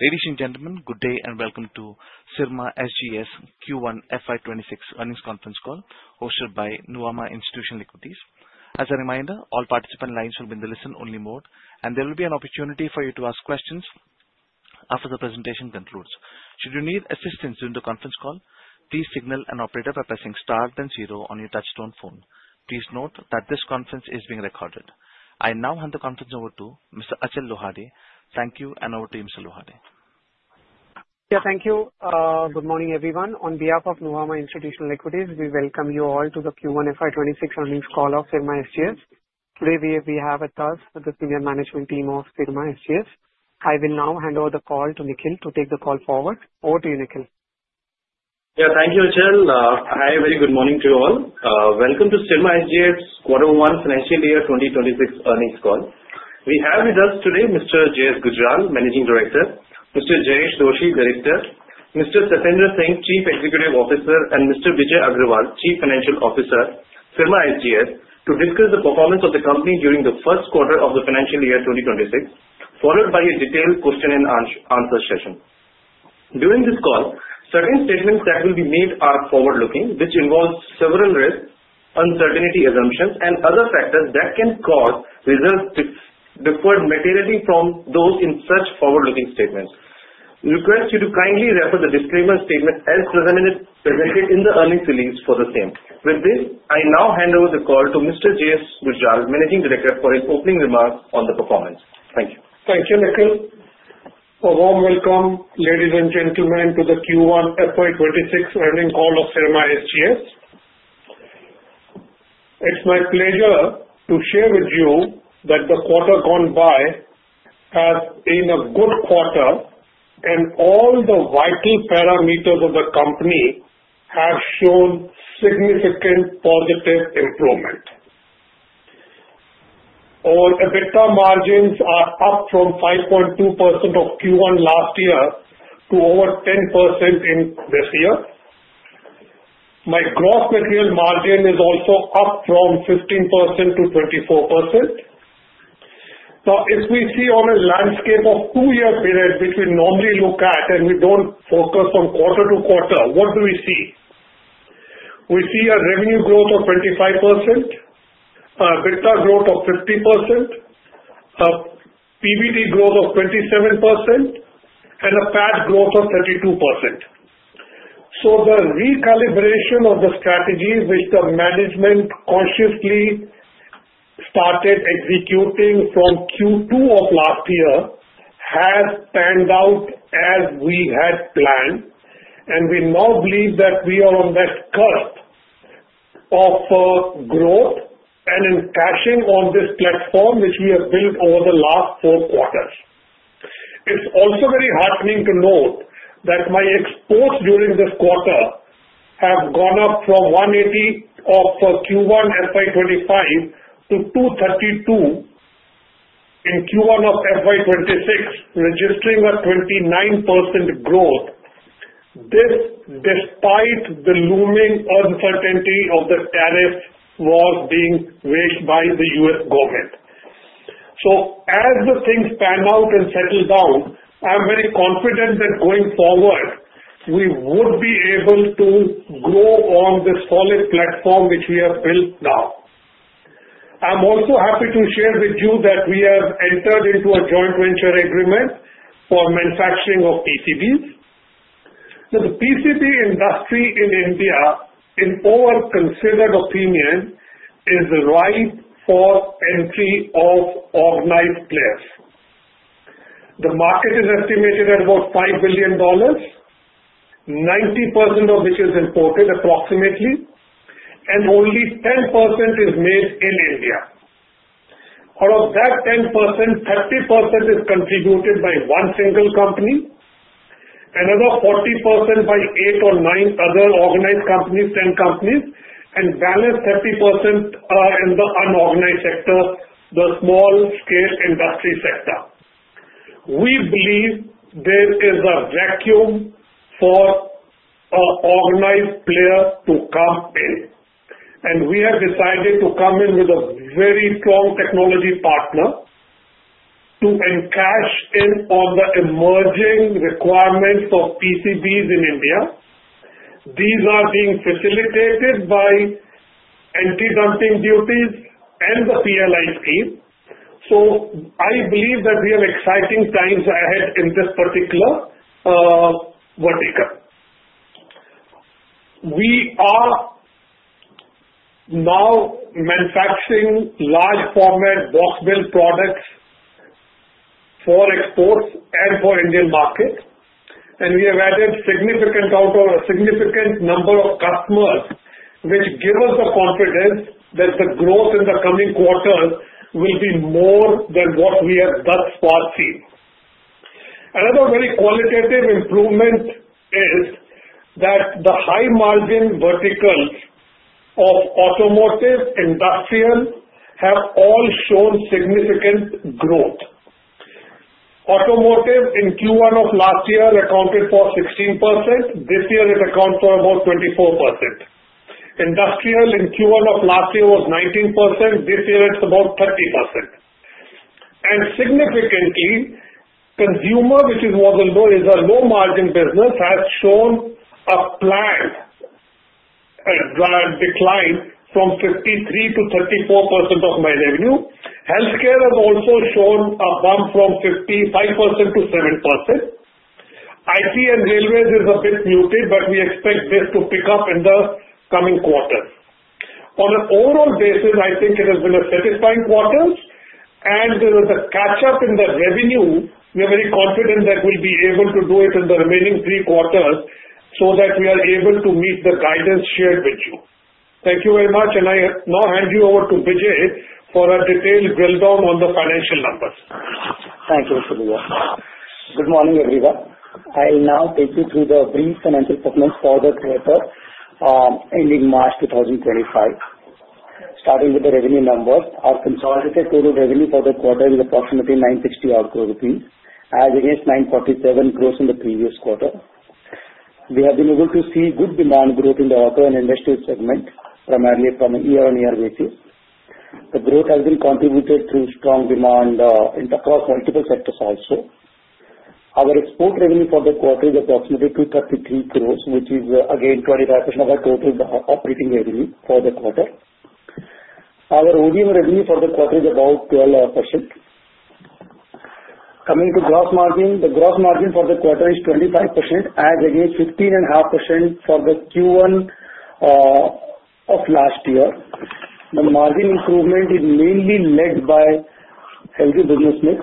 Ladies and gentlemen, good day and welcome to Syrma SGS Q1 FY26 earnings conference call, hosted by Nuvama Institutional Equities. As a reminder, all participant lines will be in the listen-only mode, and there will be an opportunity for you to ask questions after the presentation concludes. Should you need assistance during the conference call, please signal an operator by pressing star then zero on your touch-tone phone. Please note that this conference is being recorded. I now hand the conference over to Mr. Achal Lohade. Thank you, and over to you, Mr. Lohade. Yeah, thank you. Good morning, everyone. On behalf of Nuvama Institutional Equities, we welcome you all to the Q1 FY26 earnings call of Syrma SGS. Today, we have with us the senior management team of Syrma SGS. I will now hand over the call to Nikhil to take the call forward. Over to you, Nikhil. Yeah, thank you, Achal. Hi, very good morning to you all. Welcome to Syrma SGS Quarter One Financial Year 2026 earnings call. We have with us today Mr. JS Gujral, Managing Director, Mr. Jayesh Doshi, Director, Mr. Satendra Singh, Chief Executive Officer, and Mr. Bijay Agrawal, Chief Financial Officer, Syrma SGS, to discuss the performance of the company during the first quarter of the financial year 2026, followed by a detailed question-and-answer session. During this call, certain statements that will be made are forward-looking, which involves several risks, uncertainty assumptions, and other factors that can cause results to differ materially from those in such forward-looking statements. We request you to kindly refer the disclaimer statement as presented in the earnings release for the same. With this, I now hand over the call to Mr. JS Gujral, Managing Director, for his opening remarks on the performance. Thank you. Thank you, Nikhil. A warm welcome, ladies and gentlemen, to the Q1 FY26 earnings call of Syrma SGS. It's my pleasure to share with you that the quarter gone by has been a good quarter, and all the vital parameters of the company have shown significant positive improvement. Our EBITDA margins are up from 5.2% of Q1 last year to over 10% this year. My gross material margin is also up from 15% to 24%. Now, if we see on a landscape of two-year period, which we normally look at and we don't focus on quarter to quarter, what do we see? We see a revenue growth of 25%, EBITDA growth of 50%, PBT growth of 27%, and a PAT growth of 32%. So the recalibration of the strategy, which the management cautiously started executing from Q2 of last year, has panned out as we had planned, and we now believe that we are on that curve of growth and encashing on this platform, which we have built over the last four quarters. It's also very heartening to note that my exports during this quarter have gone up from 180 of Q1 FY25 to 232 in Q1 of FY26, registering a 29% growth, this despite the looming uncertainty of the tariff wars being waged by the U.S. government. So as the things pan out and settle down, I'm very confident that going forward, we would be able to grow on the solid platform which we have built now. I'm also happy to share with you that we have entered into a joint venture agreement for manufacturing of PCBs. Now, the PCB industry in India, in our considered opinion, is ripe for entry of organized players. The market is estimated at about $5 billion, 90% of which is imported approximately, and only 10% is made in India. Out of that 10%, 30% is contributed by one single company, another 40% by eight or nine other organized companies, 10 companies, and balance 30% in the unorganized sector, the small-scale industry sector. We believe there is a vacuum for organized players to come in, and we have decided to come in with a very strong technology partner to cash in on the emerging requirements of PCBs in India. These are being facilitated by anti-dumping duties and the PLI. So I believe that we have exciting times ahead in this particular vertical. We are now manufacturing large-format box-build products for exports and for the Indian market, and we have added a significant number of customers, which gives us the confidence that the growth in the coming quarters will be more than what we have thus far seen. Another very qualitative improvement is that the high-margin verticals of automotive, industrial have all shown significant growth. Automotive in Q1 of last year accounted for 16%. This year, it accounts for about 24%. Industrial in Q1 of last year was 19%. This year, it's about 30%, and significantly, consumer, which is a low-margin business, has shown a flat decline from 53% to 34% of my revenue. Healthcare has also shown a bump from 55% to 7%. IT and railways is a bit muted, but we expect this to pick up in the coming quarters. On an overall basis, I think it has been a satisfying quarter, and there is a catch-up in the revenue. We are very confident that we'll be able to do it in the remaining three quarters so that we are able to meet the guidance shared with you. Thank you very much, and I now hand you over to Bijay for a detailed drill down on the financial numbers. Thank you, Mr. Gujral. Good morning, everyone. I'll now take you through the brief financial segment for the quarter ending March 2025. Starting with the revenue numbers, our consolidated total revenue for the quarter is approximately INR 960 crore, as against 947 crores rupees in the previous quarter. We have been able to see good demand growth in the auto and industrial segment, primarily from year-on-year basis. The growth has been contributed through strong demand across multiple sectors also. Our export revenue for the quarter is approximately 233 crore, which is, again, 25% of our total operating revenue for the quarter. Our ODM revenue for the quarter is about 12%. Coming to gross margin, the gross margin for the quarter is 25%, as against 15.5% for the Q1 of last year. The margin improvement is mainly led by healthy business mix,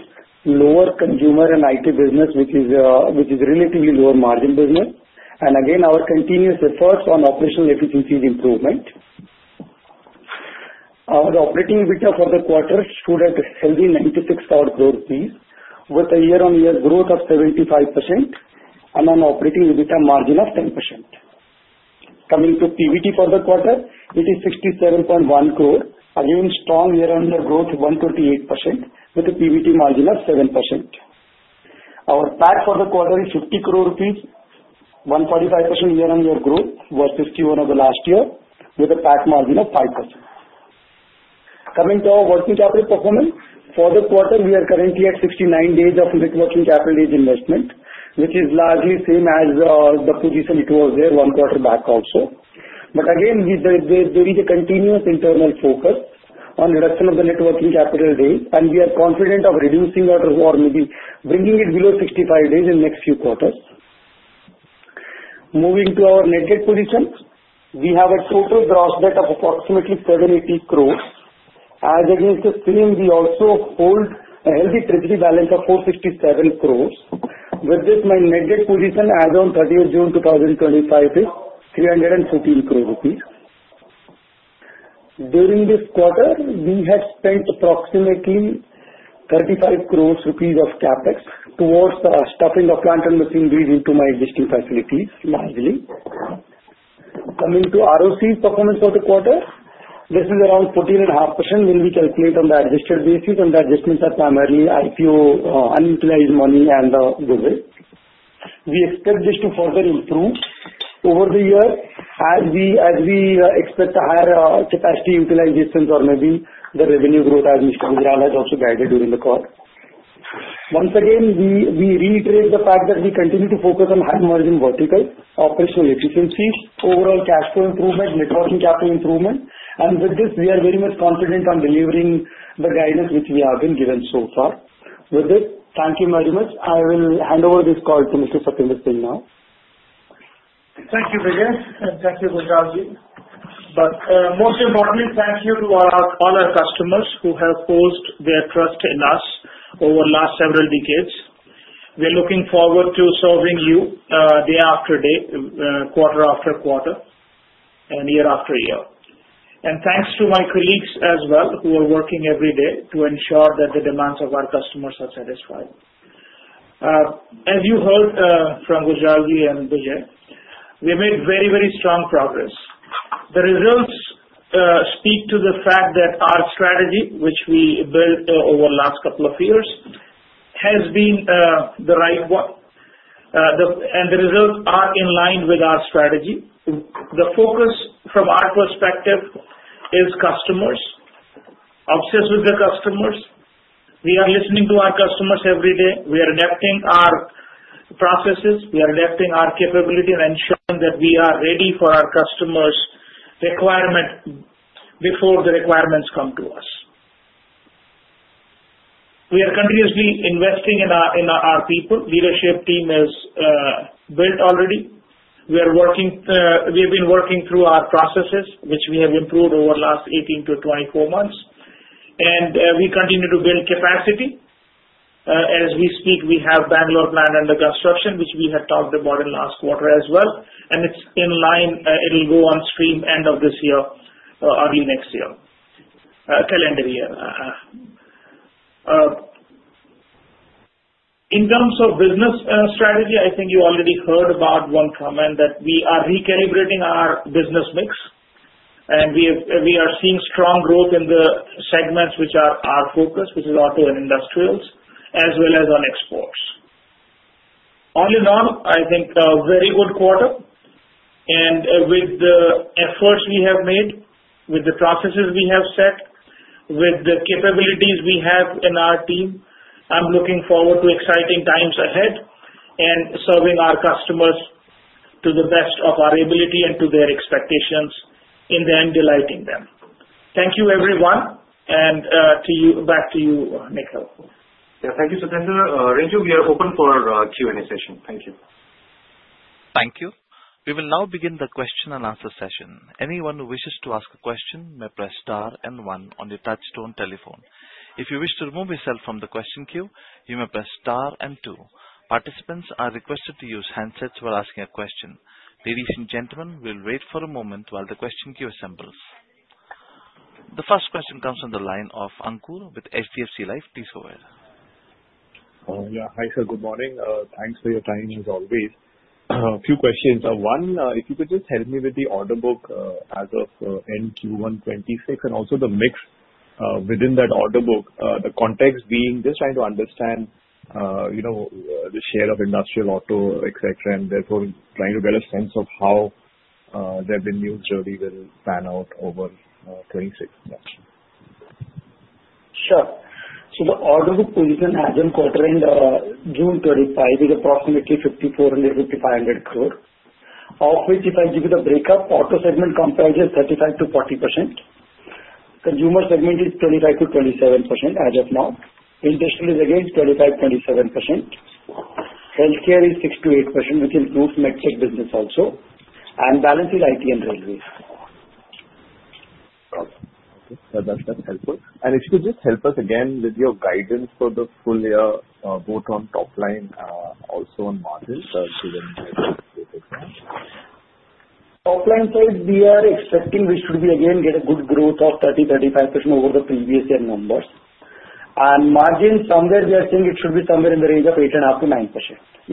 lower consumer and IT business, which is a relatively lower margin business, and again, our continuous efforts on operational efficiency improvement. Our operating EBITDA for the quarter stood at a healthy INR 96 crore, with a year-on-year growth of 75% and an operating EBITDA margin of 10%. Coming to PBT for the quarter, it is 67.1 crore, again, strong year-on-year growth of 128%, with a PBT margin of 7%. Our PAT for the quarter is 50 crore rupees, 145% year-on-year growth versus Q1 of last year, with a PAT margin of 5%. Coming to our working capital performance, for the quarter, we are currently at 69 days of net working capital-based investment, which is largely the same as the position it was there one quarter back also. But again, there is a continuous internal focus on reduction of the net working capital days, and we are confident of reducing or maybe bringing it below 65 days in the next few quarters. Moving to our net debt position, we have a total gross debt of approximately 780 crore, as against the same, we also hold a healthy treasury balance of 467 crore. With this, my net debt position as of 30th June 2025 is 314 crore rupees. During this quarter, we had spent approximately 35 crore rupees of CAPEX towards stuffing the plant and machinery into my existing facilities, largely. Coming to ROCE performance for the quarter, this is around 14.5% when we calculate on the adjusted basis, and the adjustments are primarily IPO, unutilized money, and goodwill. We expect this to further improve over the year, as we expect a higher capacity utilization or maybe the revenue growth, as Mr. Gujral has also guided during the call. Once again, we reiterate the fact that we continue to focus on high-margin verticals, operational efficiencies, overall cash flow improvement, net working capital improvement, and with this, we are very much confident on delivering the guidance which we have been given so far. With this, thank you very much. I will hand over this call to Mr. Satendra Singh now. Thank you, Bijay, and thank you, Gujralji, but most importantly, thank you to all our customers who have placed their trust in us over the last several decades. We are looking forward to serving you day after day, quarter after quarter, and year after year, and thanks to my colleagues as well who are working every day to ensure that the demands of our customers are satisfied. As you heard from Gujralji and Bijay, we made very, very strong progress. The results speak to the fact that our strategy, which we built over the last couple of years, has been the right one, and the results are in line with our strategy. The focus from our perspective is customers, obsessed with the customers. We are listening to our customers every day. We are adapting our processes. We are adapting our capability and ensuring that we are ready for our customers' requirements before the requirements come to us. We are continuously investing in our people. The leadership team is built already. We have been working through our processes, which we have improved over the last 18 to 24 months, and we continue to build capacity. As we speak, we have Bangalore plant under construction, which we had talked about in the last quarter as well, and it's in line. It'll go on stream end of this year, early next year, calendar year. In terms of business strategy, I think you already heard about one comment that we are recalibrating our business mix, and we are seeing strong growth in the segments which are our focus, which is auto and industrials, as well as on exports. All in all, I think a very good quarter, and with the efforts we have made, with the processes we have set, with the capabilities we have in our team, I'm looking forward to exciting times ahead and serving our customers to the best of our ability and to their expectations in the end, delighting them. Thank you, everyone, and back to you, Nikhil. Yeah, thank you, Satendra. Bijay, we are open for a Q&A session. Thank you. Thank you. We will now begin the question and answer session. Anyone who wishes to ask a question may press star and one on your touch-tone telephone. If you wish to remove yourself from the question queue, you may press star and two. Participants are requested to use handsets while asking a question. Ladies and gentlemen, we'll wait for a moment while the question queue assembles. The first question comes from the line of Ankur with HDFC Life. Please go ahead. Yeah, hi sir, good morning. Thanks for your time as always. A few questions. One, if you could just help me with the order book as of end Q1 26 and also the mix within that order book, the context being just trying to understand the share of industrial auto, etc., and therefore trying to get a sense of how their revenues really will pan out over 26 months. Sure. So the order book position as of quarter end June 25 is approximately 5,400-5,500 crore. Of which, if I give you the breakup, auto segment comprises 35%-40%. Consumer segment is 25%-27% as of now. Industrial is again 25%-27%. Healthcare is 6%-8%, which includes MedTech business also. And balance is IT and railways. Okay. That's helpful and if you could just help us again with your guidance for the full year both on top line also on margins given the example. Top line side, we are expecting we should be again get a good growth of 30%-35% over the previous year numbers. Margin somewhere we are seeing it should be somewhere in the range of 8% and up to 9%.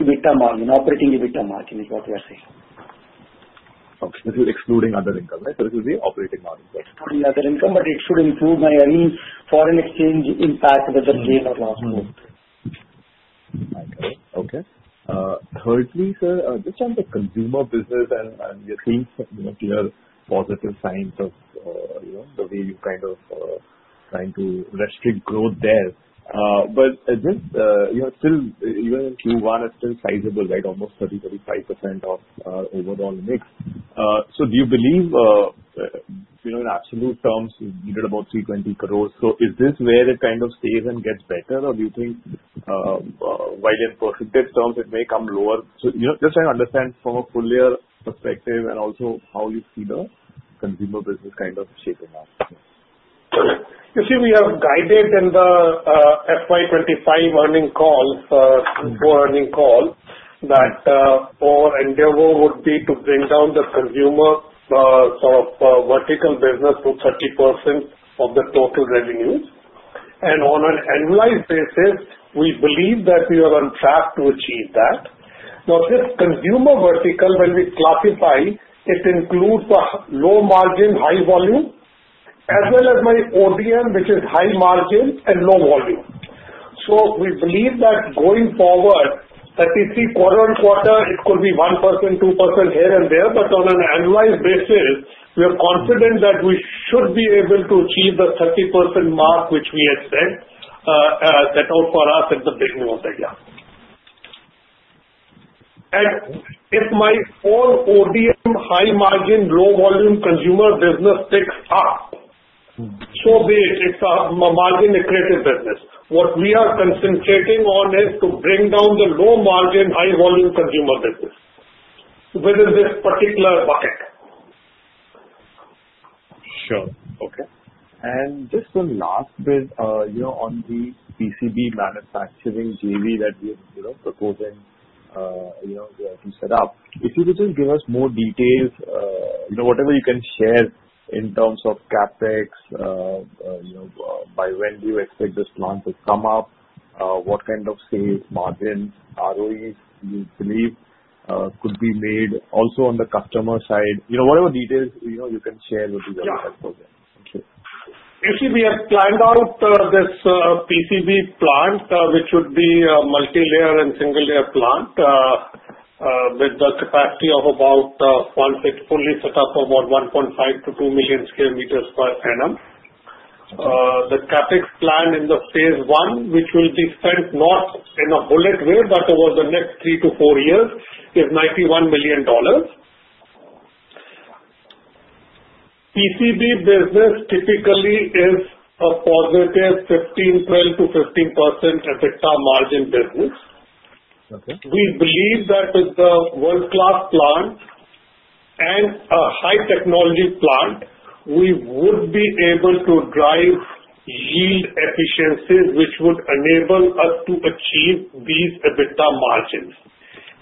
EBITDA margin, operating EBITDA margin is what we are seeing. Okay. This is excluding other income, right? So this is the operating margin. Excluding other income, but it should improve my earnings for an exchange impact, whether gain or loss, growth. Okay. Thirdly, sir, just on the consumer business and you're seeing clear positive signs of the way you're kind of trying to restrict growth there. But still, even in Q1, it's still sizable, right? Almost 30%-35% of overall mix. So do you believe in absolute terms you did about 320 crore? So is this where it kind of stays and gets better, or do you think while in percentage terms it may come lower? So just trying to understand from a full year perspective and also how you see the consumer business kind of shaping up. You see, we have guided in the FY 2025 earnings call, forward earnings call, that our endeavor would be to bring down the consumer sort of vertical business to 30% of the total revenues. And on an annualized basis, we believe that we are on track to achieve that. Now, this consumer vertical, when we classify, it includes low margin, high volume, as well as our ODM, which is high margin and low volume. So we believe that going forward, that we see quarter on quarter, it could be 1%, 2% here and there, but on an annualized basis, we are confident that we should be able to achieve the 30% mark which we had set out for us at the beginning of the year. And if our own ODM, high margin, low volume consumer business picks up so big, it's a margin-accretive business. What we are concentrating on is to bring down the low margin, high volume consumer business within this particular bucket. Sure. Okay. And just one last bit on the PCB manufacturing JV that we are proposing to set up. If you could just give us more details, whatever you can share in terms of CAPEX, by when do you expect this plant to come up, what kind of sales margin, ROEs you believe could be made also on the customer side, whatever details you can share with the other customers. Okay. You see, we have planned out this PCB plant, which would be a multi-layer and single-layer plant with the capacity of about once it's fully set up, about 1.5 to 2 million square meters per annum. The CAPEX plan in the phase one, which will be spent not in a bullet way, but over the next three to four years, is $91 million. PCB business typically is a positive 15% to 15% EBITDA margin business. We believe that with the world-class plant and a high-technology plant, we would be able to drive yield efficiencies, which would enable us to achieve these EBITDA margins.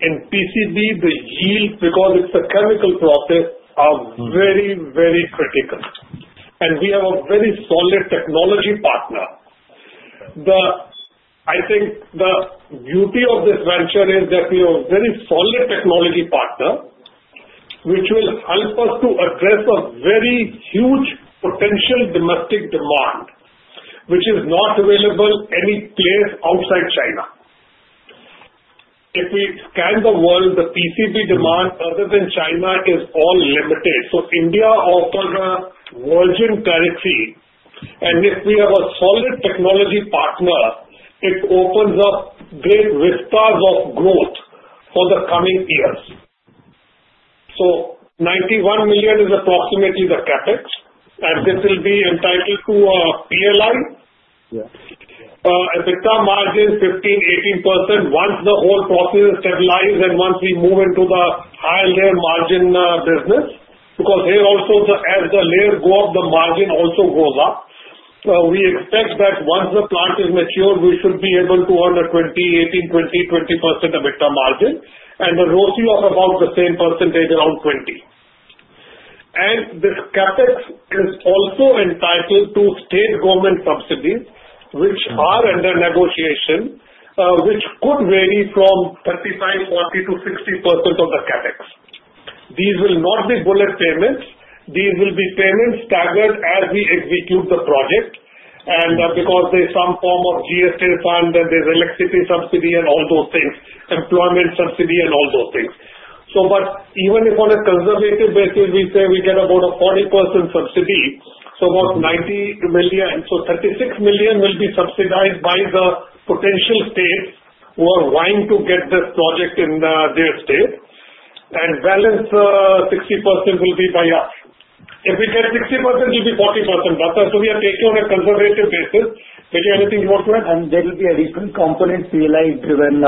In PCB, the yield, because it's a chemical process, are very, very critical. And we have a very solid technology partner. I think the beauty of this venture is that we have a very solid technology partner, which will help us to address a very huge potential domestic demand, which is not available any place outside China. If we scan the world, the PCB demand other than China is all limited, so India offers a virgin territory, and if we have a solid technology partner, it opens up great window of growth for the coming years, so 91 million is approximately the CAPEX, and this will be entitled to a PLI. Yeah. EBITDA margin 15%-18% once the whole process stabilizes and once we move into the higher-layer margin business, because here also, as the layers go up, the margin also goes up. We expect that once the plant is matured, we should be able to earn a 20%, 18%, 20%, 20% EBITDA margin, and the ROCE of about the same percentage, around 20%. The CapEx is also entitled to state government subsidies, which are under negotiation, which could vary from 35%-40% to 60% of the CapEx. These will not be bullet payments. These will be payments staggered as we execute the project, and because there's some form of GFA refund, and there's electricity subsidy, and all those things, employment subsidy, and all those things. But even if on a conservative basis, we say we get about a 40% subsidy, so about 90 million, so 36 million will be subsidized by the potential states who are wanting to get this project in their state, and balance 60% will be by us. If we get 60%, it will be 40%. So we are taking on a conservative basis. Bijay, anything you want to add? And there will be a different component, PLI-driven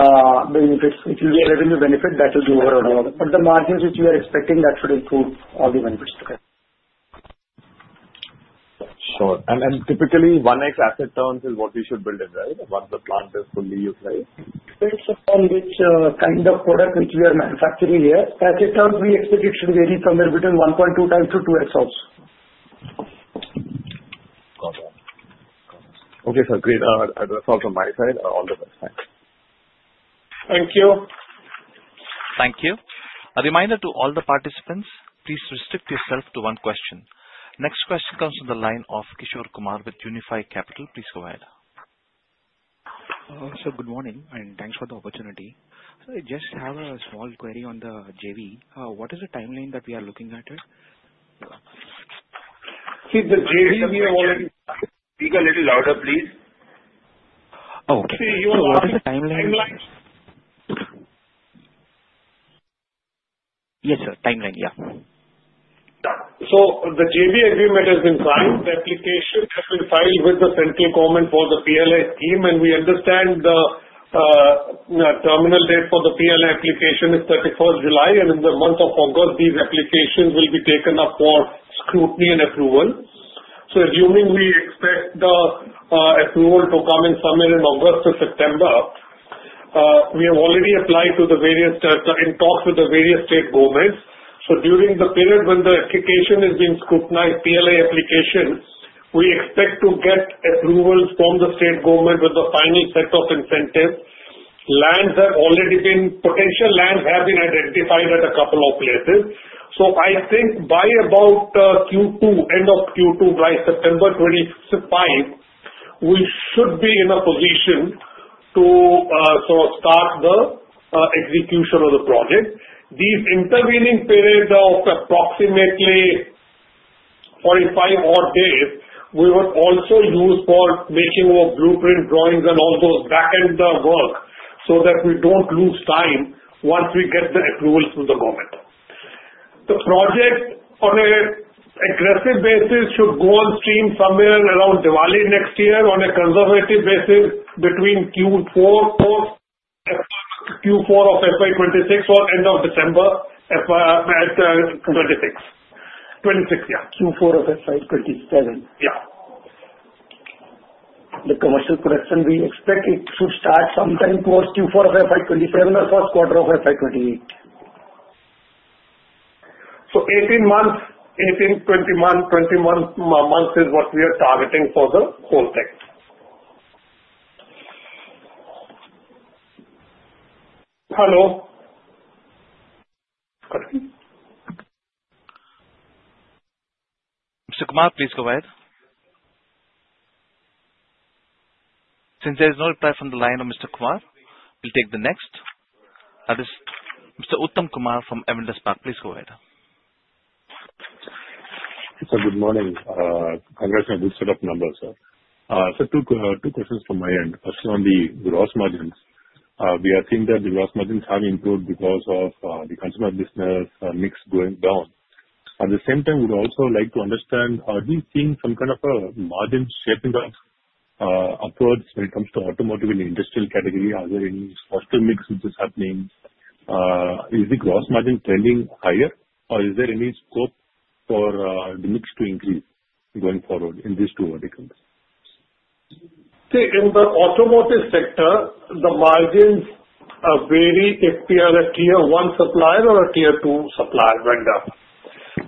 benefits. It will be a revenue benefit that will be overall. But the margins which we are expecting, that should improve all the benefits together. Sure. And typically, 1x asset terms is what we should build it, right? Once the plant is fully utilized? Based upon which kind of product we are manufacturing here, asset turns we expect it should vary somewhere between 1.2 times to 2x. Got it. Okay, sir. Great. That's all from my side. All the best. Thanks. Thank you. Thank you. A reminder to all the participants, please restrict yourself to one question. Next question comes from the line of Kishore Kumar with Unifi Capital. Please go ahead. Sir, good morning, and thanks for the opportunity. Just have a small query on the JV. What is the timeline that we are looking at here? See, the JV we have already. Speak a little louder, please. Oh, okay. You were asking for the timeline? Yes, sir. Timeline, yeah. The JV agreement has been signed. The application has been filed with the central government for the PLI scheme, and we understand the terminal date for the PLI application is 31st July, and in the month of August, these applications will be taken up for scrutiny and approval. Assuming we expect the approval to come in somewhere in August to September, we have already applied to the various. In talks with the various state governments. During the period when the application is being scrutinized, PLI application, we expect to get approvals from the state government with the final set of incentives. Potential lands have already been identified at a couple of places. I think by about Q2, end of Q2, by September 25, we should be in a position to sort of start the execution of the project. These intervening periods of approximately 45 odd days, we would also use for making our blueprint drawings and all those back-end work so that we don't lose time once we get the approvals from the government. The project on an aggressive basis should go on stream somewhere around Diwali next year. On a conservative basis, between Q4 of FY 2026 or end of December 2026. Q4 of FY 2027. Yeah. The commercial production we expect it should start sometime towards Q4 of FY 2027 or first quarter of FY 2028. 18 months, 20 months is what we are targeting for the whole thing. Hello? Mr. Kumar, please go ahead. Since there is no reply from the line of Mr. Kumar, we'll take the next. That is Mr. Uttam Kumar from Avendus Spark. Please go ahead. Sir, good morning. Congrats on a good set of numbers, sir. Sir, two questions from my end. Firstly, on the gross margins, we are seeing that the gross margins have improved because of the consumer business mix going down. At the same time, we'd also like to understand, are we seeing some kind of a margin shaping up upwards when it comes to automotive and industrial category? Are there any special mix which is happening? Is the gross margin trending higher, or is there any scope for the mix to increase going forward in these two verticals? See, in the automotive sector, the margins vary if we are a Tier 1 supplier or a Tier 2 supplier vendor.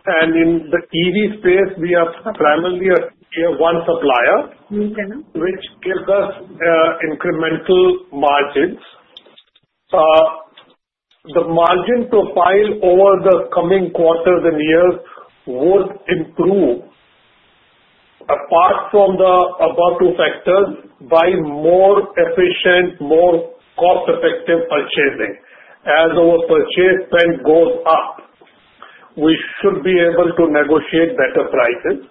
And in the EV space, we are primarily a Tier 1 supplier, which gives us incremental margins. The margin profile over the coming quarters and years would improve, apart from the above two factors, by more efficient, more cost-effective purchasing. As our purchase spend goes up, we should be able to negotiate better prices.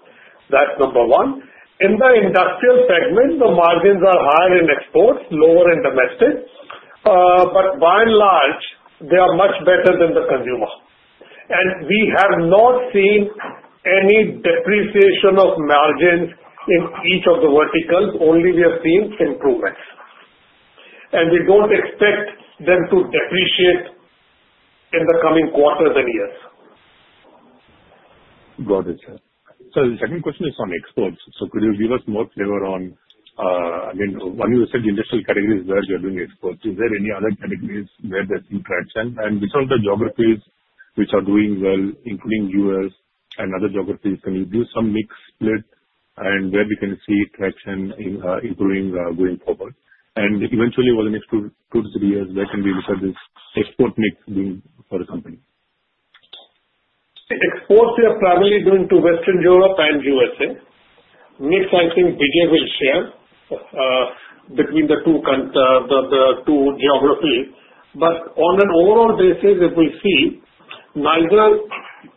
That's number one. In the industrial segment, the margins are higher in exports, lower in domestic, but by and large, they are much better than the consumer. And we have not seen any depreciation of margins in each of the verticals. Only we have seen improvements. And we don't expect them to depreciate in the coming quarters and years. Got it, sir. So the second question is on exports. So could you give us more flavor on, I mean, when you said the industrial category is where you're doing exports, is there any other categories where there's some traction? And which of the geographies which are doing well, including U.S. and other geographies, can you do some mix split and where we can see traction improving going forward? And eventually, over the next two to three years, where can we look at this export mix being for the company? Exports we are primarily doing to Western Europe and USA. Next, I think Bijay will share between the two geographies. But on an overall basis, if we see, neither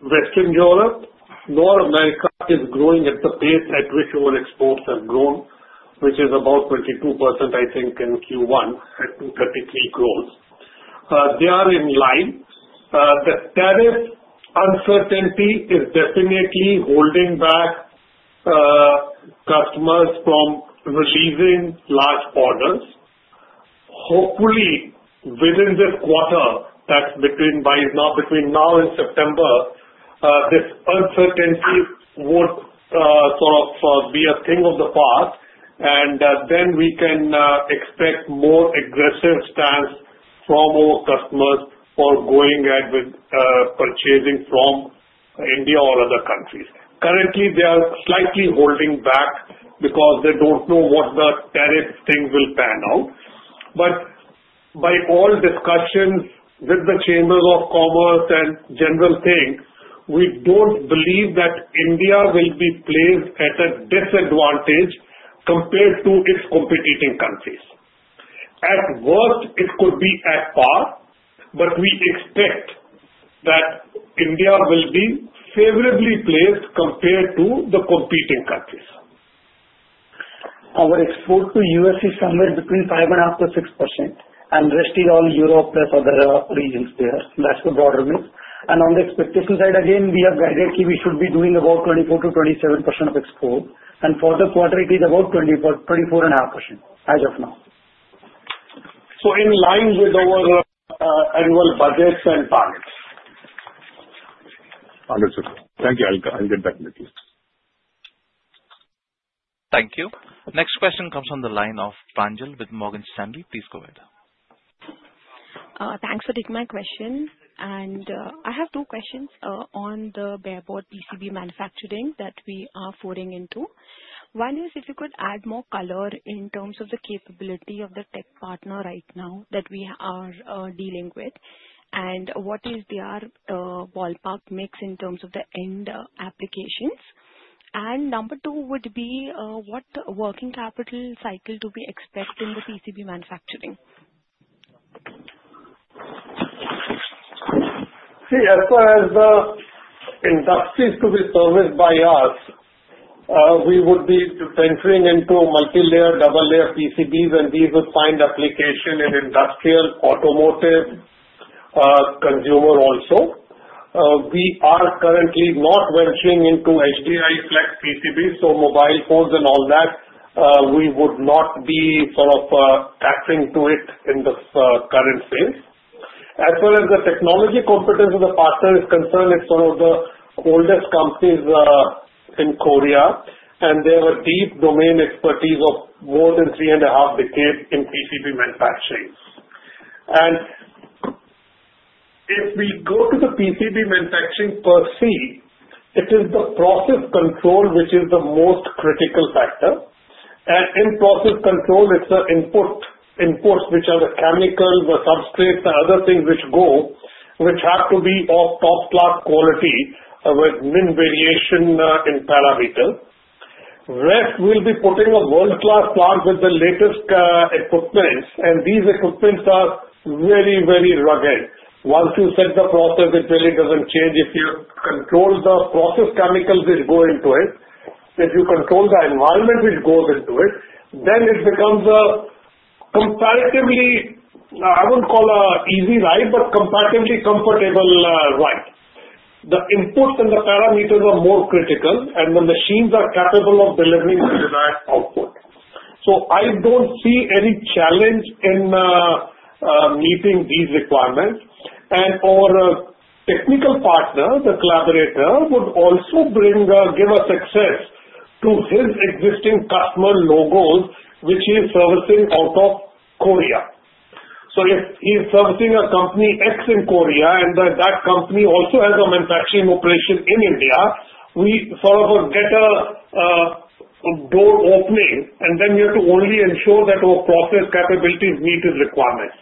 Western Europe nor America is growing at the pace at which our exports have grown, which is about 22%, I think, in Q1 at 233 crores. They are in line. The tariff uncertainty is definitely holding back customers from releasing large orders. Hopefully, within this quarter, that's between now and September, this uncertainty would sort of be a thing of the past, and then we can expect more aggressive stance from our customers for going ahead with purchasing from India or other countries. Currently, they are slightly holding back because they don't know what the tariff thing will pan out. But by all discussions with the chambers of commerce and general things, we don't believe that India will be placed at a disadvantage compared to its competing countries. At worst, it could be at par, but we expect that India will be favorably placed compared to the competing countries. Our export to U.S. is somewhere between 5.5% and 6%, and rest is all Europe plus other regions there. That's the broader mix. On the expectation side, again, we have guided we should be doing about 24%-27% of export. For the quarter, it is about 24.5% as of now. In line with our annual budgets and targets. Understood. Thank you. I'll get back with you. Thank you. Next question comes from the line of Pranjal with Morgan Stanley. Please go ahead. Thanks for taking my question, and I have two questions on the barebone PCB manufacturing that we are falling into. One is, if you could add more color in terms of the capability of the tech partner right now that we are dealing with, and what is their ballpark mix in terms of the end applications? Number two would be, what working capital cycle do we expect in the PCB manufacturing? See, as far as the industries to be serviced by us, we would be venturing into multi-layer, double-layer PCBs, and these would find application in industrial, automotive, consumer also. We are currently not venturing into HDI flex PCBs, so mobile phones and all that. We would not be sort of tackling to it in the current phase. As far as the technology competence of the partner is concerned, it's one of the oldest companies in Korea, and they have a deep domain expertise of more than three and a half decades in PCB manufacturing. And if we go to the PCB manufacturing per se, it is the process control which is the most critical factor. And in process control, it's the inputs, which are the chemicals, the substrates, the other things which go, which have to be of top-class quality with min variation in parameters. We will be putting up a world-class plant with the latest equipment, and these equipments are very, very rugged. Once you set the process, it really doesn't change. If you control the process chemicals which go into it, if you control the environment which goes into it, then it becomes comparatively. I wouldn't call it an easy ride, but a comparatively comfortable ride. The inputs and the parameters are more critical, and the machines are capable of delivering the desired output. So I don't see any challenge in meeting these requirements. Our technical partner, the collaborator, would also give access to his existing customer logos, which he is servicing out of Korea. So if he's servicing a company X in Korea and that company also has a manufacturing operation in India, we sort of get a door opening, and then we have to only ensure that our process capabilities meet his requirements.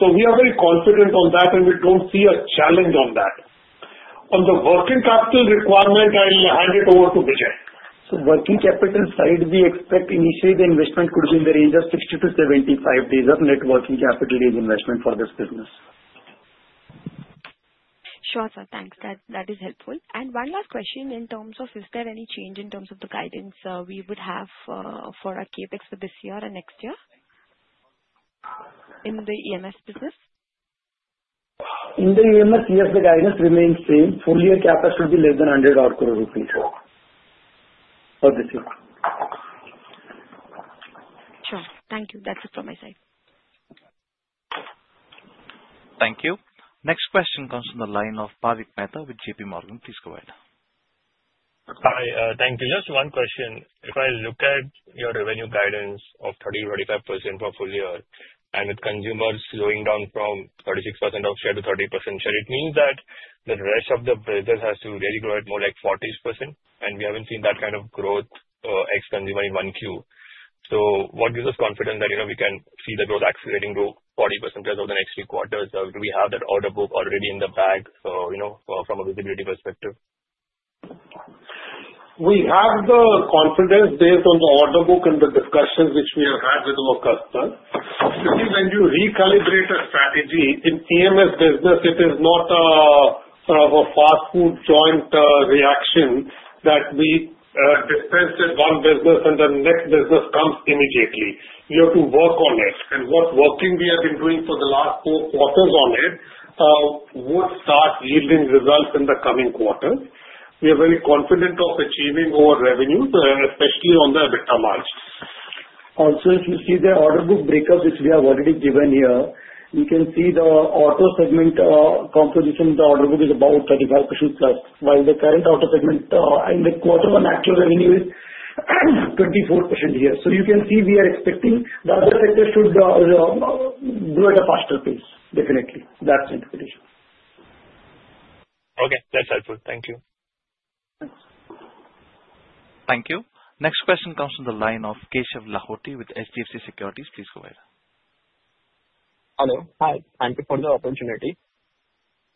So we are very confident on that, and we don't see a challenge on that. On the working capital requirement, I'll hand it over to Bijay. Working capital side, we expect initially the investment could be in the range of 60 to 75 days of net working capital investment for this business. Sure, sir. Thanks. That is helpful. And one last question in terms of, is there any change in terms of the guidance we would have for CAPEX for this year and next year in the EMS business? In the EMS, yes, the guidance remains same. Full-year cap should be less than 100-odd crore rupees for this year. Sure. Thank you. That's it from my side. Thank you. Next question comes from the line of Bhavik Mehta with JP Morgan. Please go ahead. Hi, thank you. Just one question. If I look at your revenue guidance of 30-45% for full-year, and with consumers slowing down from 36% of share to 30% share, it means that the rest of the business has to really grow at more like 40%? And we haven't seen that kind of growth ex-consumer in one Q. So what gives us confidence that we can see the growth accelerating to 40% over the next few quarters? Do we have that order book already in the bag from a visibility perspective? We have the confidence based on the order book and the discussions which we have had with our customers. You see, when you recalibrate a strategy in EMS business, it is not sort of a fast food joint reaction that we dispense at one business and the next business comes immediately. You have to work on it and what working we have been doing for the last four quarters on it would start yielding results in the coming quarters. We are very confident of achieving our revenues, especially on the EBITDA margin. Also, if you see the order book breakup, which we have already given here, you can see the auto segment composition of the order book is about 35% plus, while the current auto segment in the quarter-one actual revenue is 24% here. So you can see we are expecting the other sectors should do at a faster pace, definitely. That's the interpretation. Okay. That's helpful. Thank you. Thank you. Next question comes from the line of Keshav Lahoti with HDFC Securities. Please go ahead. Hello. Hi. Thank you for the opportunity.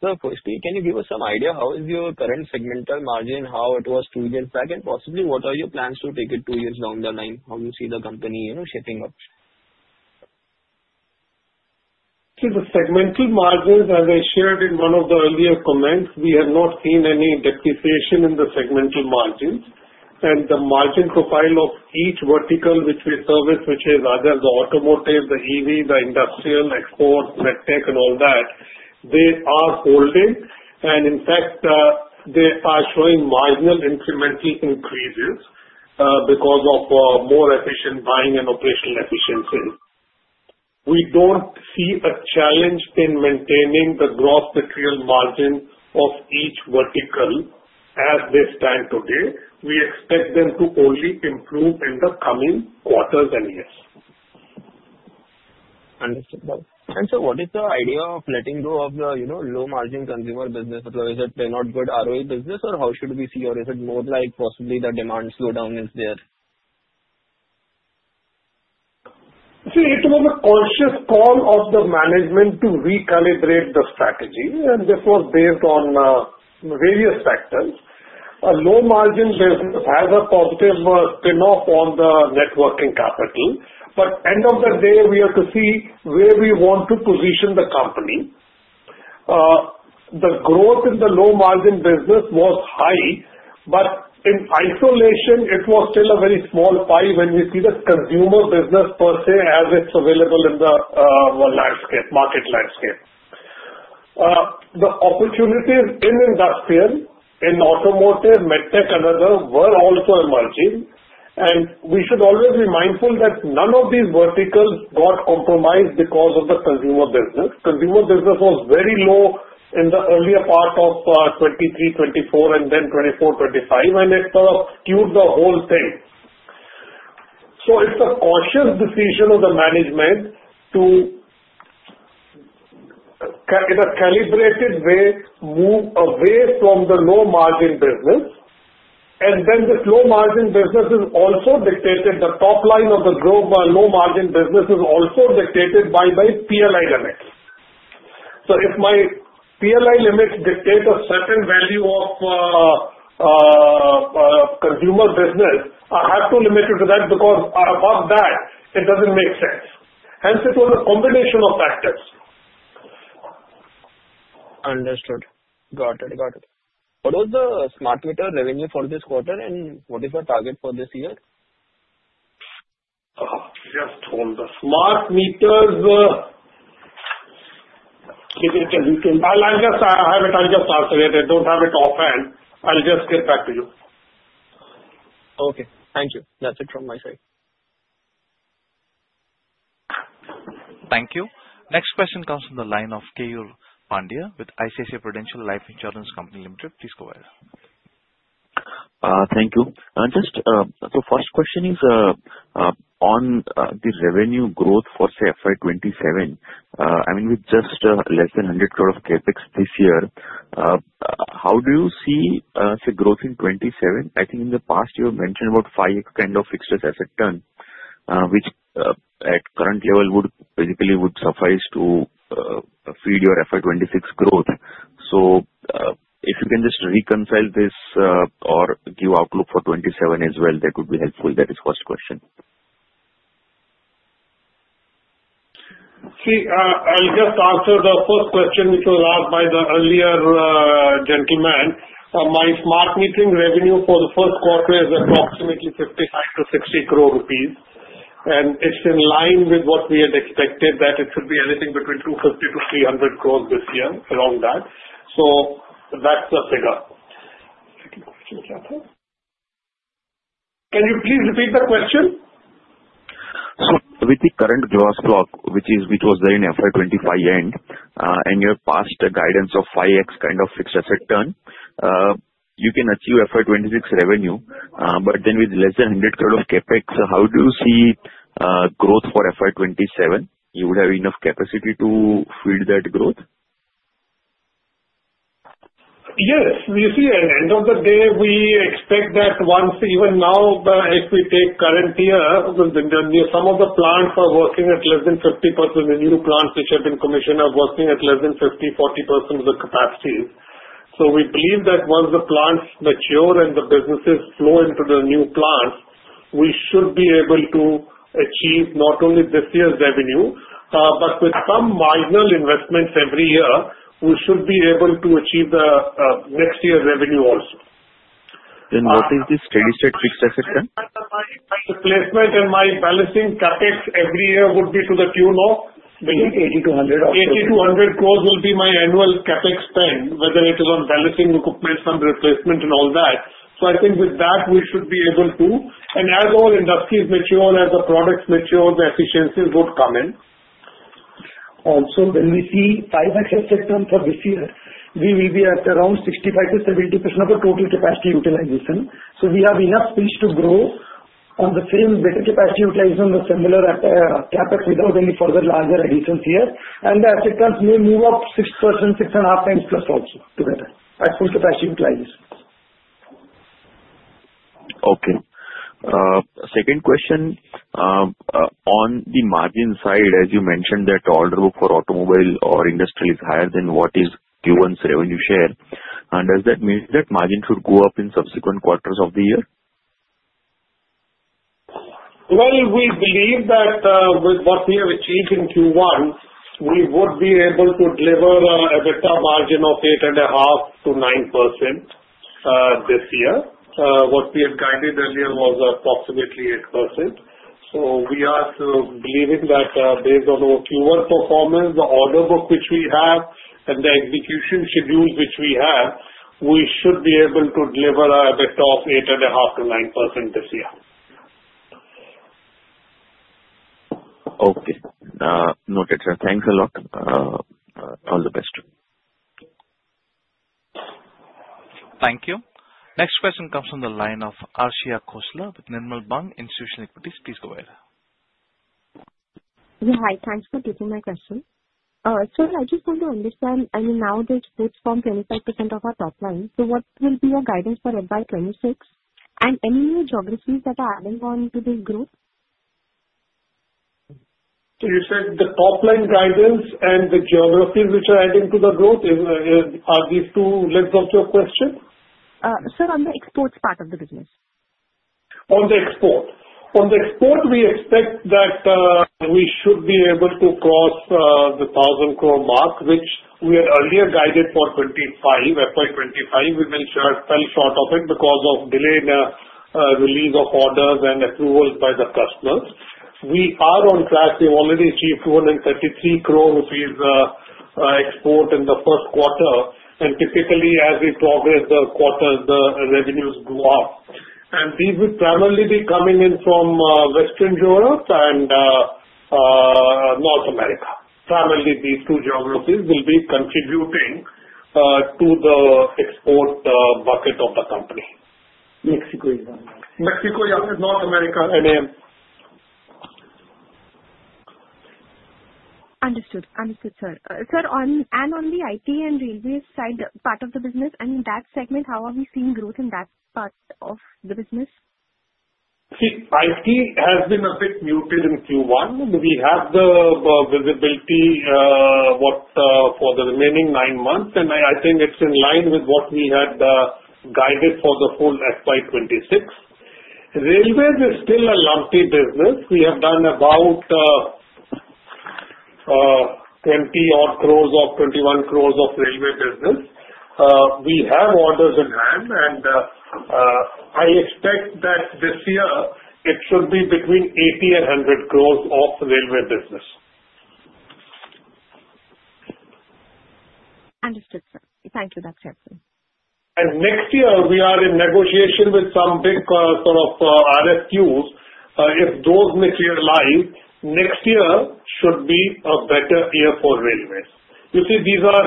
So firstly, can you give us some idea how is your current segmental margin, how it was two years back, and possibly what are your plans to take it two years down the line? How do you see the company shaping up? See, the segmental margins, as I shared in one of the earlier comments, we have not seen any depreciation in the segmental margins. And the margin profile of each vertical which we service, which is either the automotive, the EV, the industrial, exports, medtech, and all that, they are holding. And in fact, they are showing marginal incremental increases because of more efficient buying and operational efficiency. We don't see a challenge in maintaining the gross material margin of each vertical as they stand today. We expect them to only improve in the coming quarters and years. Understood. And sir, what is the idea of letting go of the low-margin consumer business? Is it a not-good ROE business, or how should we see? Or is it more like possibly the demand slowdown is there? See, it was a conscious call of the management to recalibrate the strategy, and this was based on various factors. A low-margin business has a positive spin-off on the net working capital. But end of the day, we have to see where we want to position the company. The growth in the low-margin business was high, but in isolation, it was still a very small pie when we see the consumer business per se as it's available in the market landscape. The opportunities in industrial, in automotive, medtech, and other were also emerging. We should always be mindful that none of these verticals got compromised because of the consumer business. Consumer business was very low in the earlier part of 2023, 2024, and then 2024, 2025, and it sort of skewed the whole thing. So it's a cautious decision of the management to, in a calibrated way, move away from the low-margin business. And then the low-margin business is also dictated. The top line of the low-margin business is also dictated by my PLI limits. So if my PLI limits dictate a certain value of consumer business, I have to limit it to that because above that, it doesn't make sense. Hence, it was a combination of factors. Understood. Got it. What was the smart meter revenue for this quarter, and what is your target for this year? Just hold on. Smart meters, I'll just have it. I'll just ask later. Don't have it offhand. I'll just get back to you. Okay. Thank you. That's it from my side. Thank you. Next question comes from the line of Keyur Pandya with ICICI Prudential Life Insurance Company Limited. Please go ahead. Thank you. So first question is on the revenue growth for, say, FY 2027. I mean, with just less than 100 crore of CAPEX this year, how do you see the growth in 2027? I think in the past, you mentioned about 5X kind of fixed asset turn, which at current level would basically suffice to feed your FY 2026 growth. So if you can just reconcile this or give outlook for 2027 as well, that would be helpful. That is the first question. See, I'll just answer the first question which was asked by the earlier gentleman. My smart metering revenue for the first quarter is approximately 55 to 60 crore rupees, and it's in line with what we had expected, that it should be anything between 250 to 300 crores this year, around that, so that's the figure. Second question, Kevin. Can you please repeat the question? So with the current gross block, which was there in FY 25 end, and your past guidance of 5X kind of fixed asset turn, you can achieve FY 26 revenue. But then with less than 100 crore of CAPEX, how do you see growth for FY 27? You would have enough capacity to feed that growth? Yes. You see, at the end of the day, we expect that once, even now, if we take current year, some of the plants are working at less than 50%. The new plants which have been commissioned are working at less than 50, 40% of the capacity. So we believe that once the plants mature and the businesses flow into the new plants, we should be able to achieve not only this year's revenue, but with some marginal investments every year, we should be able to achieve the next year's revenue also. What is this steady state fixed asset turn? Replacement and my balancing CAPEX every year would be to the tune of? 80-100 or so. 80-100 crores will be my annual CAPEX spend, whether it is on balancing equipment, some replacement, and all that. So I think with that, we should be able to, and as our industry matures, as the products mature, the efficiencies would come in. Also, when we see fixed asset turn for this year, we will be at around 65%-70% of the total capacity utilization. So we have enough space to grow on the same better capacity utilization on the similar CAPEX without any further larger additions here. And the asset turns may move up six%, six and a half times plus also together at full capacity utilization. Okay. Second question. On the margin side, as you mentioned that order book for automobile or industrial is higher than what is Q1's revenue share. Does that mean that margin should go up in subsequent quarters of the year? We believe that with what we have achieved in Q1, we would be able to deliver a better margin of 8.5%-9% this year. What we had guided earlier was approximately 8%. So we are believing that based on our Q1 performance, the order book which we have, and the execution schedule which we have, we should be able to deliver a better 8.5%-9% this year. Okay. Note it. Thanks a lot. All the best. Thank you. Next question comes from the line of Arshia Khosla with Nirmal Bang Institutional Equities. Please go ahead. Yeah. Hi. Thanks for taking my question. Sir, I just want to understand. I mean, nowadays, it's formed 25% of our top line. So what will be your guidance for FY 2026? And any new geographies that are adding on to this growth? You said the top line guidance and the geographies which are adding to the growth are these two? Let's go to your question. Sir, on the exports part of the business? On the export. On the export, we expect that we should be able to cross the 1,000 crore mark, which we had earlier guided for 25, FY 25. We fell short of it because of delayed release of orders and approvals by the customers. We are on track. We've already achieved 233 crore rupees export in the first quarter. And typically, as we progress the quarters, the revenues go up. And these will primarily be coming in from Western Europe and North America. Primarily, these two geographies will be contributing to the export bucket of the company. Mexico is one. Mexico is one. North America and. Understood. Understood, sir. Sir, and on the IT and railways side part of the business, I mean, that segment, how are we seeing growth in that part of the business? See, IT has been a bit muted in Q1. We have the visibility for the remaining nine months, and I think it's in line with what we had guided for the full FY 26. Railways is still a lumpy business. We have done about 20 odd crores or 21 crores of railway business. We have orders in hand, and I expect that this year, it should be between 80 and 100 crores of railway business. Understood, sir. Thank you. That's helpful. Next year, we are in negotiation with some big sort of RFQs. If those materialize, next year should be a better year for railways. You see, these are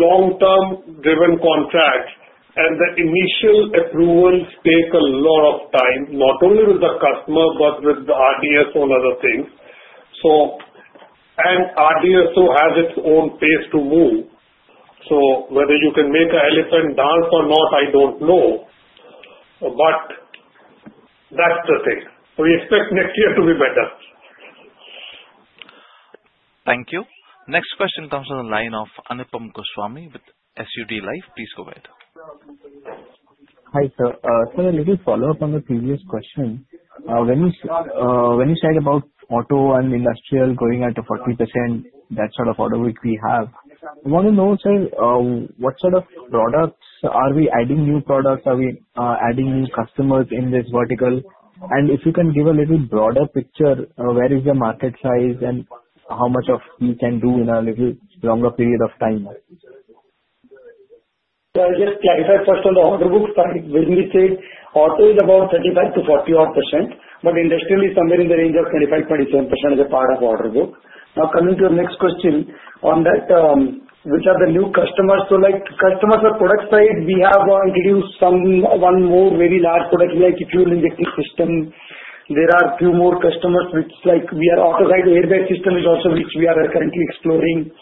long-term-driven contracts, and the initial approvals take a lot of time, not only with the customer but with the RDSO and other things. RDSO has its own pace to move. Whether you can make an elephant dance or not, I don't know. That's the thing. We expect next year to be better. Thank you. Next question comes from the line of Anupam Goswami with SUD Life. Please go ahead. Hi sir. Sir, a little follow-up on the previous question. When you shared about auto and industrial going at a 40%, that sort of order book we have, I want to know, sir, what sort of products are we adding? New products? Are we adding new customers in this vertical? And if you can give a little broader picture, where is the market size and how much we can do in a little longer period of time? So I'll just clarify first on the order book side. When we say auto is about 35%-40% odd, but industrial is somewhere in the range of 25%-27% as a part of order book. Now, coming to your next question on that, which are the new customers? So customers on product side, we have introduced one more very large product like fuel injection system. There are a few more customers which we are auto side airbag system is also which we are currently exploring.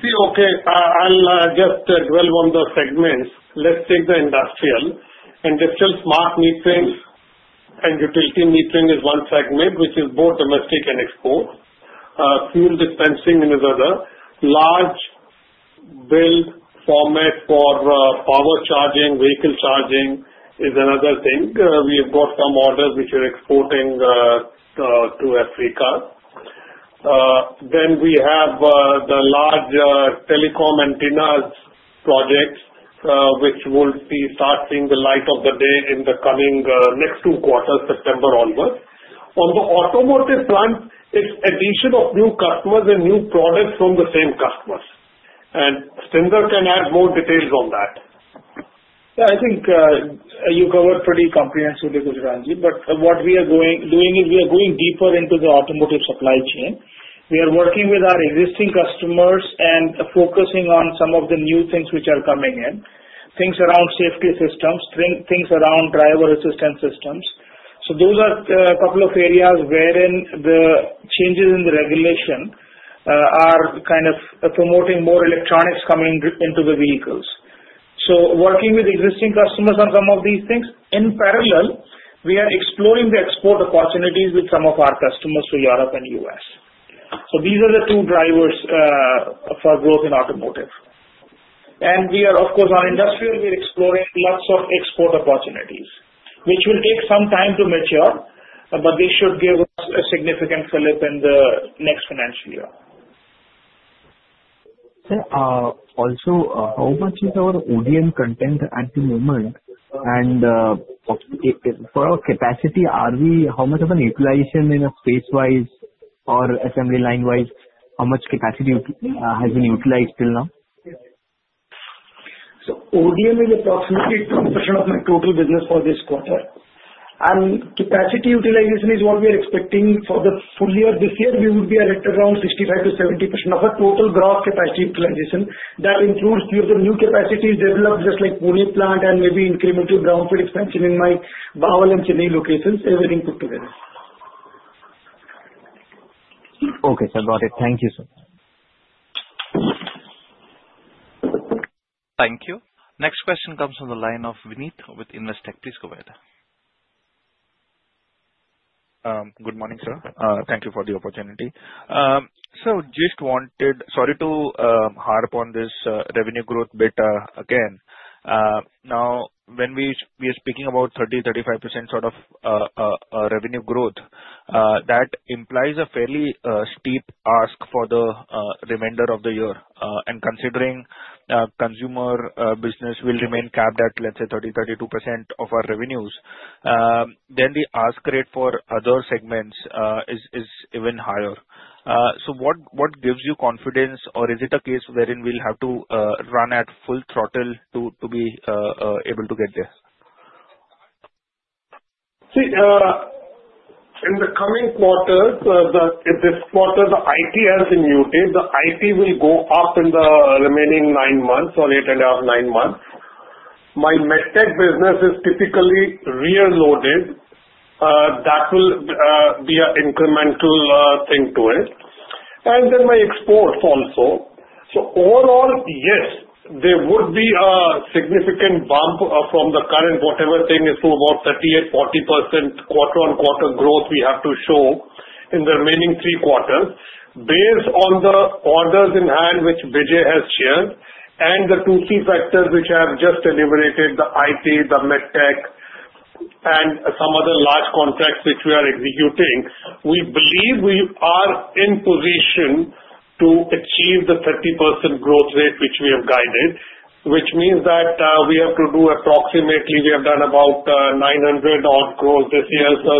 See, okay. I'll just dwell on the segments. Let's take the industrial. Industrial smart metering and utility metering is one segment, which is both domestic and export. Fuel dispensing is another. Large build format for power charging, vehicle charging is another thing. We have got some orders which are exporting to Africa. Then we have the large telecom antennas projects, which will start seeing the light of the day in the coming next two quarters, September onwards. On the automotive front, it's addition of new customers and new products from the same customers. And Sathendra can add more details on that. Yeah, I think you covered pretty comprehensively, Gujralji. But what we are doing is we are going deeper into the automotive supply chain. We are working with our existing customers and focusing on some of the new things which are coming in, things around safety systems, things around driver assistance systems. So those are a couple of areas wherein the changes in the regulation are kind of promoting more electronics coming into the vehicles. So working with existing customers on some of these things. In parallel, we are exploring the export opportunities with some of our customers to Europe and US. So these are the two drivers for growth in automotive. And we are, of course, on industrial, we're exploring lots of export opportunities, which will take some time to mature, but they should give us a significant fillip in the next financial year. Also, how much is our ODM content at the moment? And for our capacity, how much of a utilization in a space-wise or assembly line-wise, how much capacity has been utilized till now? So ODM is approximately 2% of my total business for this quarter. And capacity utilization is what we are expecting for the full year this year. We would be at around 65%-70% of our total gross capacity utilization. That includes the new capacity developed just like Pune plant and maybe incremental brownfield expansion in my Bawal and Chennai locations, everything put together. Okay. I got it. Thank you, sir. Thank you. Next question comes from the line of Vineet with Investec. Please go ahead. Good morning, sir. Thank you for the opportunity. Sir, just wanted, sorry to harp on this revenue growth bit again. Now, when we are speaking about 30%-35% sort of revenue growth, that implies a fairly steep ask for the remainder of the year. And considering consumer business will remain capped at, let's say, 30%-32% of our revenues, then the ask rate for other segments is even higher, so what gives you confidence, or is it a case wherein we'll have to run at full throttle to be able to get there? See, in the coming quarters, if this quarter the IT has been muted, the IT will go up in the remaining nine months or eight and a half, nine months. My MedTech business is typically rear-loaded. That will be an incremental thing to it. And then my exports also. So overall, yes, there would be a significant bump from the current whatever thing is to about 38%-40% quarter-on-quarter growth we have to show in the remaining three quarters based on the orders in hand which Bijay has shared and the two key factors which I have just elaborated: the IT, the MedTech, and some other large contracts which we are executing. We believe we are in position to achieve the 30% growth rate which we have guided, which means that we have to do approximately, we have done about 900 crore this year, so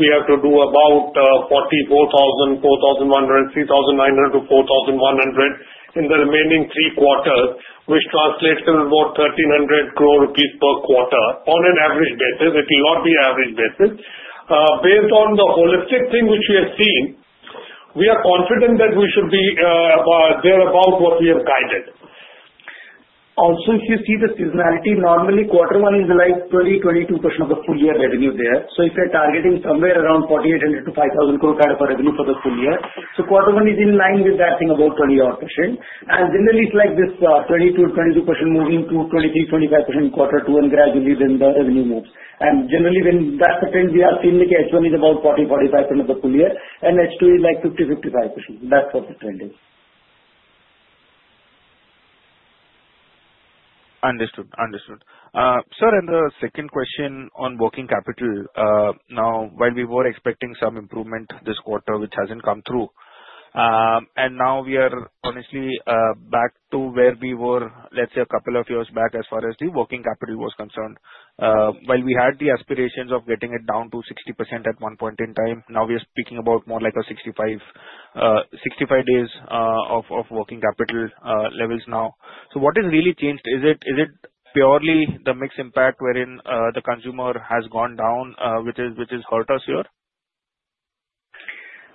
we have to do about 3,900 to 4,100 in the remaining three quarters, which translates to about 1,300 crore rupees per quarter on an average basis. It will not be an average basis. Based on the holistic thing which we have seen, we are confident that we should be there about what we have guided. Also, if you see the seasonality, normally quarter one is like 20-22% of the full year revenue there. So if you're targeting somewhere around 4,800 crore-5,000 crore kind of a revenue for the full year, so quarter one is in line with that thing about 20-odd%. And generally, it's like this 22-22% moving to 23-25% quarter two and gradually then the revenue moves. And generally, when that's the trend we have seen, the H1 is about 40-45% of the full year, and H2 is like 50-55%. That's what the trend is. Understood. Sir, and the second question on working capital. Now, while we were expecting some improvement this quarter, which hasn't come through, and now we are honestly back to where we were, let's say, a couple of years back as far as the working capital was concerned. While we had the aspirations of getting it down to 60 days at one point in time, now we are speaking about more like 65 days of working capital levels now. So what has really changed? Is it purely the mixed impact wherein the consumer has gone down, which has hurt us here?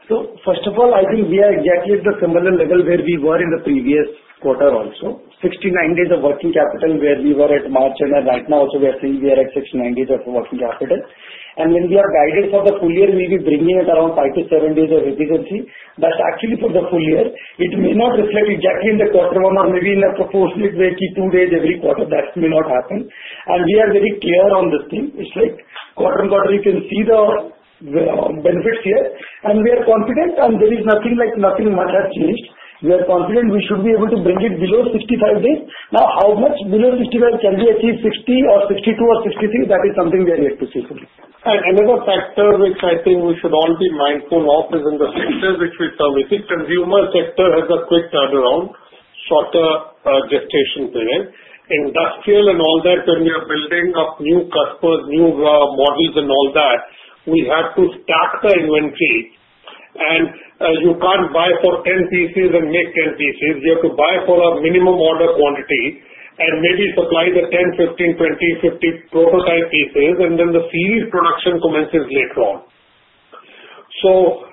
So first of all, I think we are exactly at the similar level where we were in the previous quarter also. 69 days of working capital where we were at March, and right now, also, we are saying we are at 69 days of working capital. And when we are guided for the full year, we'll be bringing it around five to seven days of efficiency. But actually, for the full year, it may not reflect exactly in the quarter one or maybe in a proportionate way to two days every quarter. That may not happen. And we are very clear on this thing. It's like quarter on quarter, you can see the benefits here. And we are confident, and there is nothing much has changed. We are confident we should be able to bring it below 65 days. Now, how much below 65 can we achieve? 60 or 62 or 63? That is something we are yet to see. And another factor which I think we should all be mindful of is in the sectors which we service. If consumer sector has a quick turnaround, shorter gestation period, industrial and all that, when we are building up new customers, new models, and all that, we have to stack the inventory. And you can't buy for 10 pieces and make 10 pieces. You have to buy for a minimum order quantity and maybe supply the 10, 15, 20, 50 prototype pieces, and then the series production commences later on. So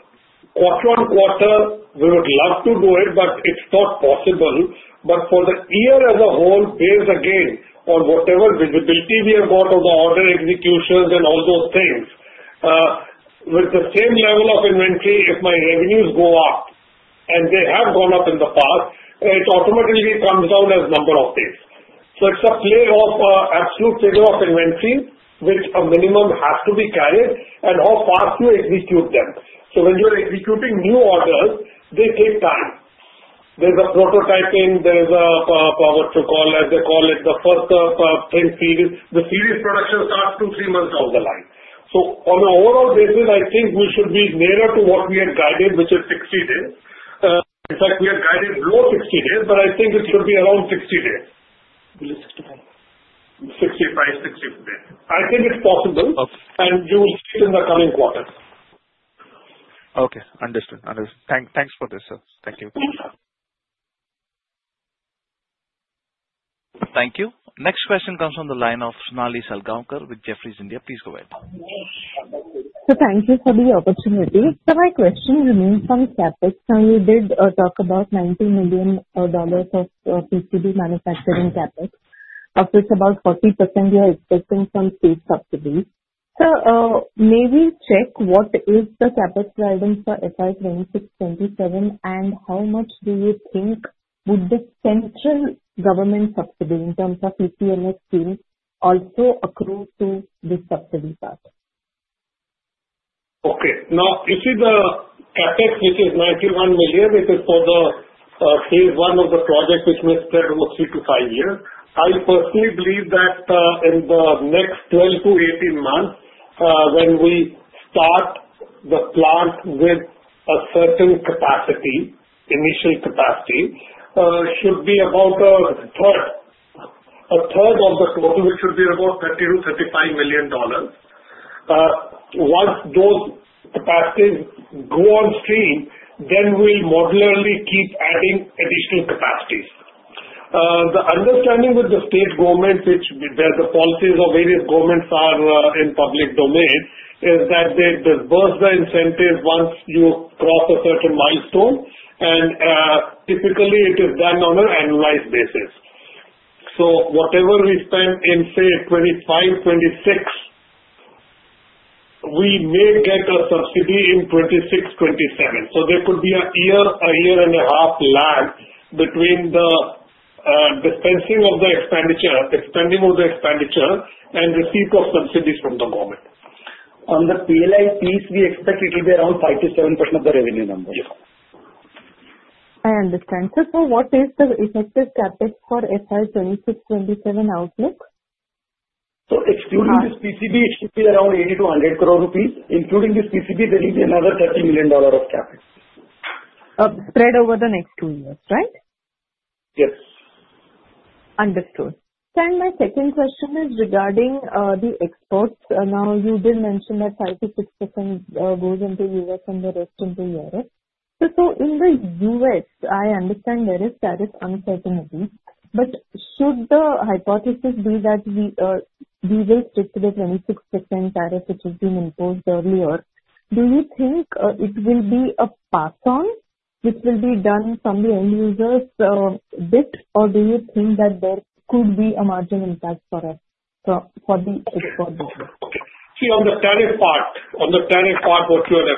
quarter on quarter, we would love to do it, but it's not possible. But for the year as a whole, based again on whatever visibility we have got on the order executions and all those things, with the same level of inventory, if my revenues go up, and they have gone up in the past, it automatically comes down as number of days. So it's a play of absolute figure of inventory which a minimum has to be carried and how fast you execute them. So when you're executing new orders, they take time. There's a prototyping. There's what you call, as they call it, the first thing series. The series production starts two, three months down the line. So on an overall basis, I think we should be nearer to what we had guided, which is 60 days. In fact, we had guided below 60 days, but I think it should be around 60 days. 65, 60 days. I think it's possible, and you will see it in the coming quarter. Okay. Understood. Understood. Thanks for this, sir. Thank you. Thank you. Next question comes from the line of Sonali Salgaonkar with Jefferies India. Please go ahead. Thank you for the opportunity. My question remains on CapEx. Now, you did talk about $90 million of PCB manufacturing CapEx, of which about 40% you are expecting from state subsidies. Sir, may we check what is the CapEx guidance for FY 2026-27, and how much do you think would the central government subsidy in terms of SPECS also accrue to this subsidy part? Okay. Now, you see the CAPEX, which is $91 million, which is for the phase one of the project, which may spread over three to five years. I personally believe that in the next 12 to 18 months, when we start the plant with a certain capacity, initial capacity, should be about a third of the total, which should be about $30-$35 million. Once those capacities go on stream, then we'll modularly keep adding additional capacities. The understanding with the state government, where the policies of various governments are in public domain, is that they disperse the incentives once you cross a certain milestone, and typically, it is done on an annualized basis. So whatever we spend in, say, 2025, 2026, we may get a subsidy in 2026, 2027. So there could be a year, a year and a half lag between the dispensing of the expenditure, expanding of the expenditure, and receipt of subsidies from the government. On the PLI piece, we expect it will be around 5%-7% of the revenue number. I understand. Sir, so what is the effective CAPEX for FY 2026-27 outlook? So excluding this PCB, it should be around 80-100 crore rupees. Including this PCB, there will be another $30 million of CapEx. Spread over the next two years, right? Yes. Understood. And my second question is regarding the exports. Now, you did mention that 5%-6% goes into US and the rest into Europe. Sir, so in the US, I understand there is tariff uncertainty, but should the hypothesis be that we will stick to the 26% tariff which has been imposed earlier, do you think it will be a pass-on which will be done from the end users' bit, or do you think that there could be a margin impact for the export business? See, on the tariff part, on the tariff part, what you are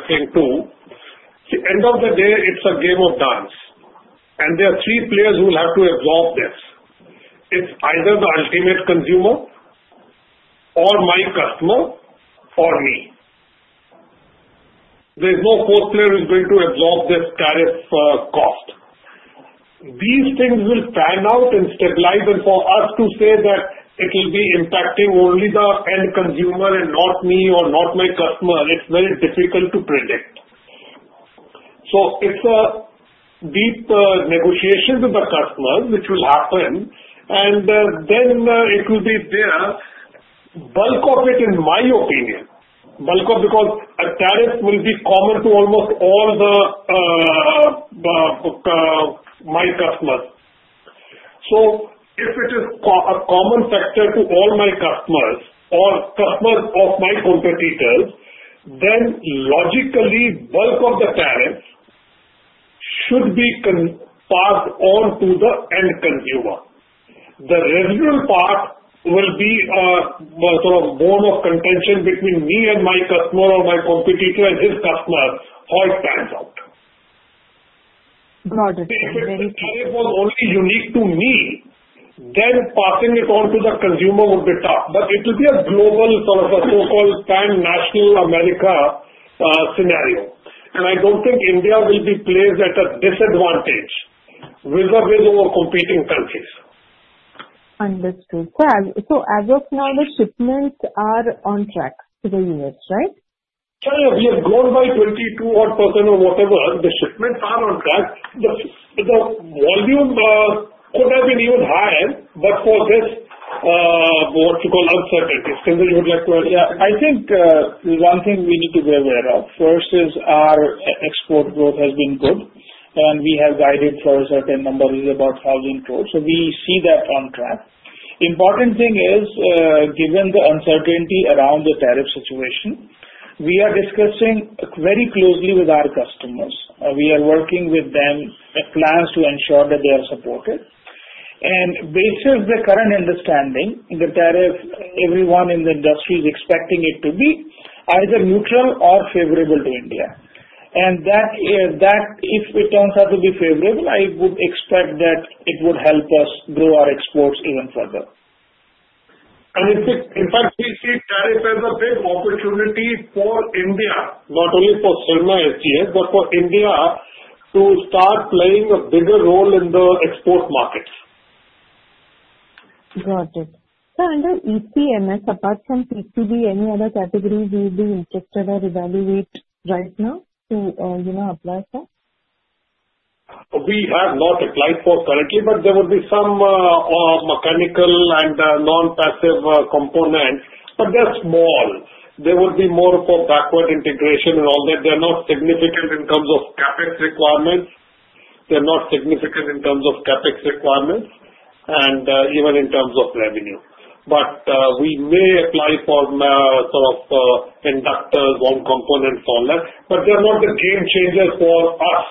referring to, end of the day, it's a game of chance. And there are three players who will have to absorb this. It's either the ultimate consumer or my customer or me. There's no fourth player who's going to absorb this tariff cost. These things will pan out and stabilize, and for us to say that it will be impacting only the end consumer and not me or not my customer, it's very difficult to predict. So it's a deep negotiation with the customer, which will happen, and then it will be there. Bulk of it, in my opinion, bulk of because a tariff will be common to almost all my customers. So if it is a common factor to all my customers or customers of my competitors, then logically, bulk of the tariffs should be passed on to the end consumer. The residual part will be sort of bone of contention between me and my customer or my competitor and his customer how it pans out. Got it. Very good. If the tariff was only unique to me, then passing it on to the consumer would be tough. But it will be a global sort of a so-called pan-national America scenario. And I don't think India will be placed at a disadvantage with a way over competing countries. Understood. So as of now, the shipments are on track to the U.S., right? Sir, we have grown by 22 odd % or whatever. The shipments are on track. The volume could have been even higher, but for this, what you call uncertainty. Sir, you would like to add? Yeah. I think one thing we need to be aware of first is our export growth has been good, and we have guided for a certain number, about 1,000 crores, so we see that on track. The important thing is, given the uncertainty around the tariff situation, we are discussing very closely with our customers. We are working with them with plans to ensure that they are supported, and based on the current understanding, the tariff, everyone in the industry is expecting it to be either neutral or favorable to India, and if it turns out to be favorable, I would expect that it would help us grow our exports even further. In fact, we see tariff as a big opportunity for India, not only for Syrma SGS, but for India to start playing a bigger role in the export market. Got it. Sir, under EMS, apart from PCB, any other categories you would be interested or evaluate right now to apply for? We have not applied for currently, but there will be some mechanical and wound passive components, but they're small. There will be more of a backward integration and all that. They're not significant in terms of CAPEX requirements and even in terms of revenue. But we may apply for sort of inductors, one component for that. But they're not the game changers for us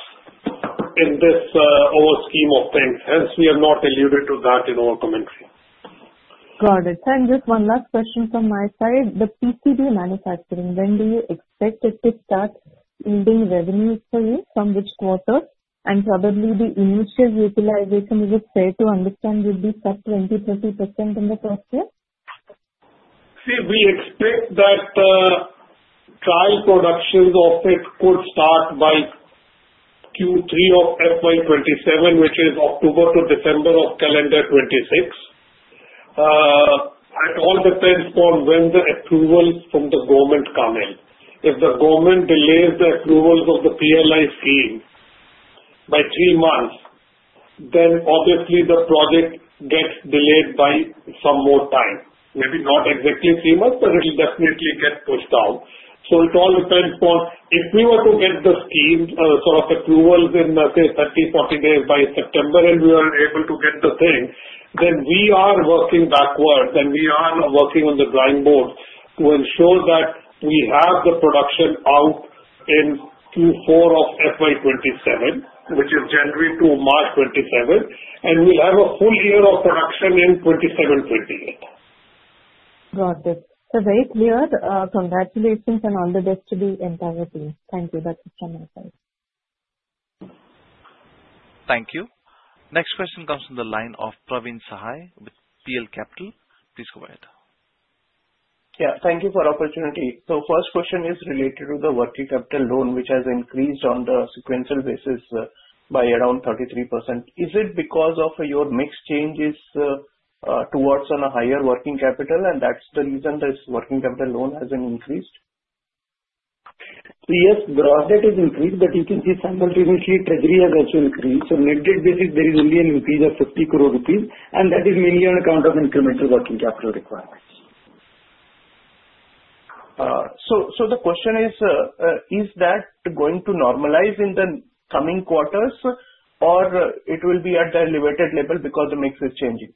in this overall scheme of things. Hence, we have not alluded to that in our commentary. Got it. Sir, and just one last question from my side. The PCB manufacturing, when do you expect it to start yielding revenues for you from which quarter? And probably the initial utilization, it is fair to understand, will be sub 20%-30% in the first year? See, we expect that trial production of it could start by Q3 of FY 27, which is October to December of calendar 26. It all depends on when the approvals from the government come in. If the government delays the approvals of the PLI scheme by three months, then obviously the project gets delayed by some more time. Maybe not exactly three months, but it will definitely get pushed out, so it all depends on if we were to get the scheme sort of approvals in, say, 30, 40 days by September, and we are able to get the thing, then we are working backwards, and we are working on the drawing board to ensure that we have the production out in Q4 of FY 27, which is January to March 27, and we'll have a full year of production in 27-28. Got it. Sir, very clear. Congratulations and all the best to the entire team. Thank you. That's it from my side. Thank you. Next question comes from the line of Praveen Sahay with PL Capital. Please go ahead. Yeah. Thank you for the opportunity. So first question is related to the working capital loan, which has increased on the sequential basis by around 33%. Is it because of your mix changes towards a higher working capital, and that's the reason this working capital loan has increased? Yes, gross debt has increased, but you can see simultaneously treasury has also increased. So net debt basis, there is only an increase of 50 crore rupees, and that is mainly on account of incremental working capital requirements. So the question is, is that going to normalize in the coming quarters, or it will be at the elevated level because the mix is changing?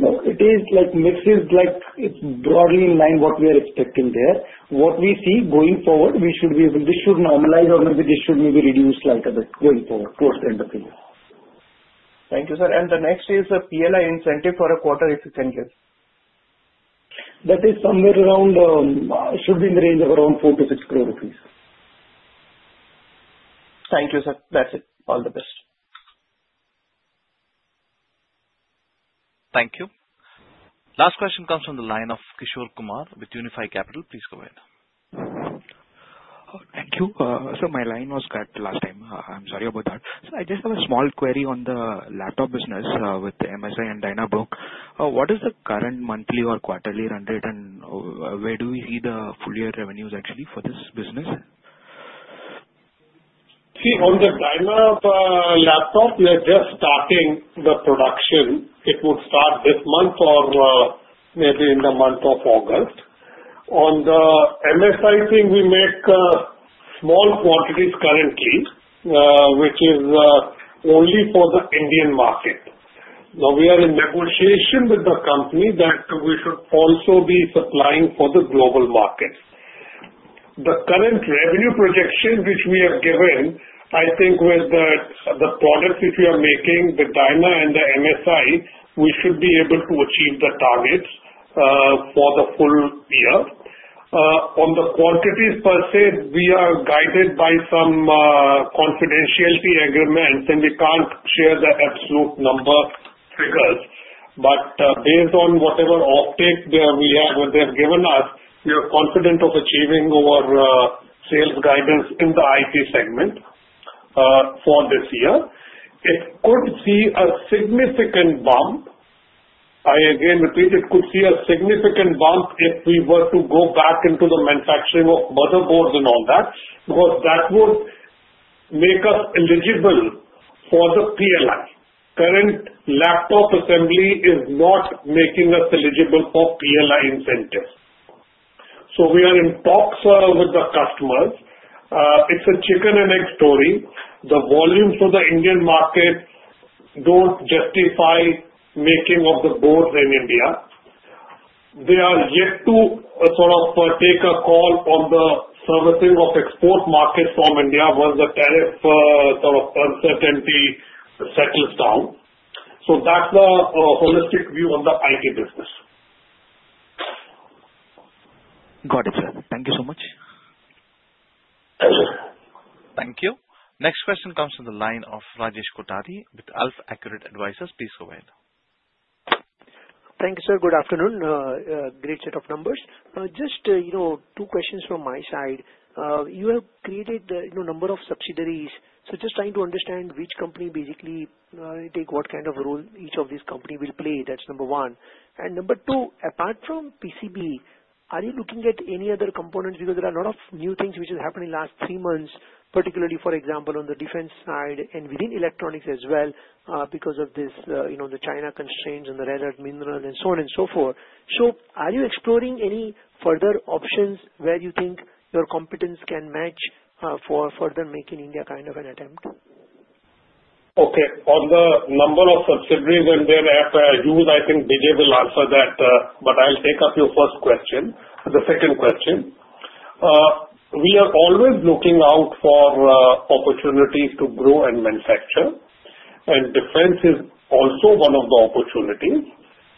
No, it is like mix is like it's broadly in line what we are expecting there. What we see going forward, we should be able, this should normalize or maybe reduce slightly a bit going forward towards the end of the year. Thank you, sir. And the next is the PLI incentive for a quarter, if you can give? That is somewhere around should be in the range of around 4-6 crore rupees. Thank you, sir. That's it. All the best. Thank you. Last question comes from the line of Kishore Kumar with Unifi Capital. Please go ahead. Thank you. Sir, my line was cut last time. I'm sorry about that. Sir, I just have a small query on the laptop business with MSI and Dynabook. What is the current monthly or quarterly run rate, and where do we see the full year revenues actually for this business? See, on the Dynabook laptop, we are just starting the production. It would start this month or maybe in the month of August. On the MSI thing, we make small quantities currently, which is only for the Indian market. Now, we are in negotiation with the company that we should also be supplying for the global market. The current revenue projection which we have given, I think with the products which we are making with Dynabook and the MSI, we should be able to achieve the targets for the full year. On the quantities per se, we are guided by some confidentiality agreements, and we can't share the absolute number figures. But based on whatever offtake we have given us, we are confident of achieving our sales guidance in the IT segment for this year. It could be a significant bump. I again repeat, it could be a significant bump if we were to go back into the manufacturing of motherboards and all that, because that would make us eligible for the PLI. Current laptop assembly is not making us eligible for PLI incentives. So we are in talks with the customers. It's a chicken and egg story. The volumes for the Indian market don't justify making of the boards in India. They are yet to sort of take a call on the servicing of export markets from India once the tariff sort of uncertainty settles down. So that's the holistic view on the IT business. Got it, sir. Thank you so much. Thank you. Thank you. Next question comes from the line of Rajesh Kothari with AlfAccurate Advisors. Please go ahead. Thank you, sir. Good afternoon. Great set of numbers. Just two questions from my side. You have created a number of subsidiaries. So just trying to understand which company basically take what kind of role each of these companies will play. That's number one. And number two, apart from PCB, are you looking at any other components? Because there are a lot of new things which are happening in the last three months, particularly, for example, on the defense side and within electronics as well because of the China constraints and the rare earth minerals and so on and so forth. So are you exploring any further options where you think your competence can match for further making India kind of an attempt? Okay. On the number of subsidiaries and their affairs, I think BJ will answer that, but I'll take up your first question, the second question. We are always looking out for opportunities to grow and manufacture, and defense is also one of the opportunities.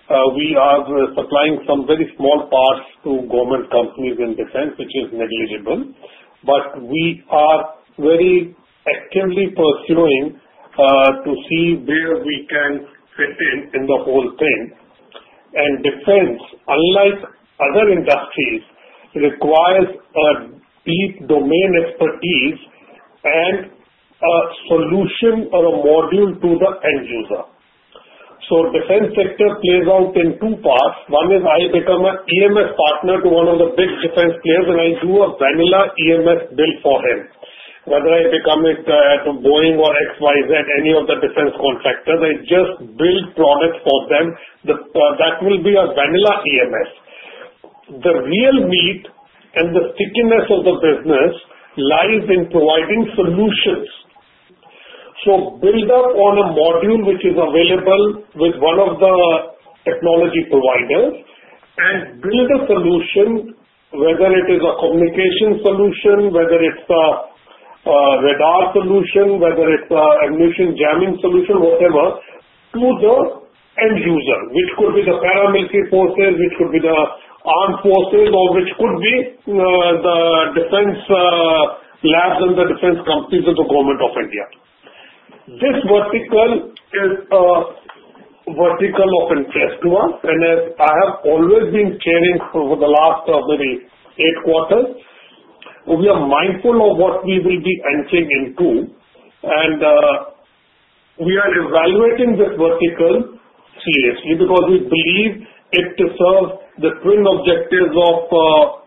We are supplying some very small parts to government companies in defense, which is negligible, but we are very actively pursuing to see where we can fit in in the whole thing, and defense, unlike other industries, requires a deep domain expertise and a solution or a module to the end user, so the defense sector plays out in two parts. One is I become an EMS partner to one of the big defense players, and I do a vanilla EMS build for him. Whether I become it to Boeing or XYZ, any of the defense contractors, I just build products for them. That will be a vanilla EMS. The real meat and the stickiness of the business lies in providing solutions. So build up on a module which is available with one of the technology providers and build a solution, whether it is a communication solution, whether it's a radar solution, whether it's an ammunition jamming solution, whatever, to the end user, which could be the paramilitary forces, which could be the armed forces, or which could be the defense labs and the defense companies of the government of India. This vertical is a vertical of interest to us, and I have always been caring for the last eight quarters. We are mindful of what we will be entering into, and we are evaluating this vertical seriously because we believe it serves the twin objectives of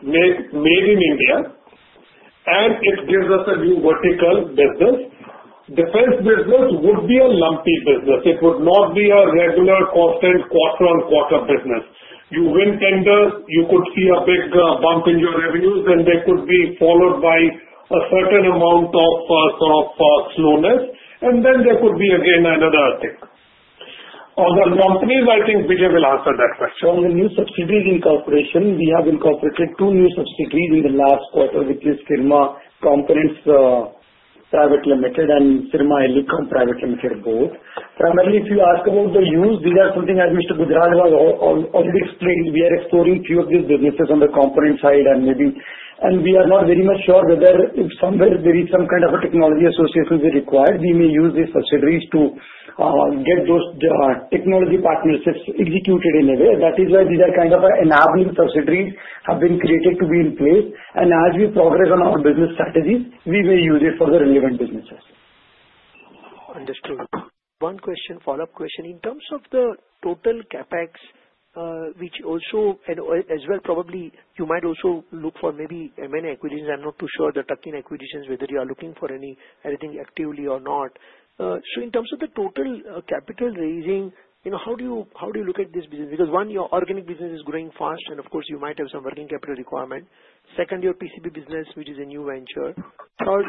Made in India, and it gives us a new vertical business. Defense business would be a lumpy business. It would not be a regular constant quarter-on-quarter business. You win tenders, you could see a big bump in your revenues, and they could be followed by a certain amount of slowness, and then there could be again another thing. On the companies, I think BJ will answer that question. On the new subsidiary incorporation, we have incorporated two new subsidiaries in the last quarter, which is Syrma Components Private Limited and Syrma Strategic Electronics Private Limited, both. Primarily, if you ask about the use, these are something as Mr. Gujral has already explained. We are exploring a few of these businesses on the component side, and we are not very much sure whether somewhere there is some kind of a technology association required. We may use these subsidiaries to get those technology partnerships executed in a way. That is why these are kind of enabling subsidiaries have been created to be in place, and as we progress on our business strategies, we may use it for the relevant businesses. Understood. One question, follow-up question. In terms of the total CAPEX, which also as well, probably you might also look for maybe M&A acquisitions. I'm not too sure the tuck-in acquisitions, whether you are looking for anything actively or not. So in terms of the total capital raising, how do you look at this business? Because one, your organic business is growing fast, and of course, you might have some working capital requirement. Second, your PCB business, which is a new venture. Third,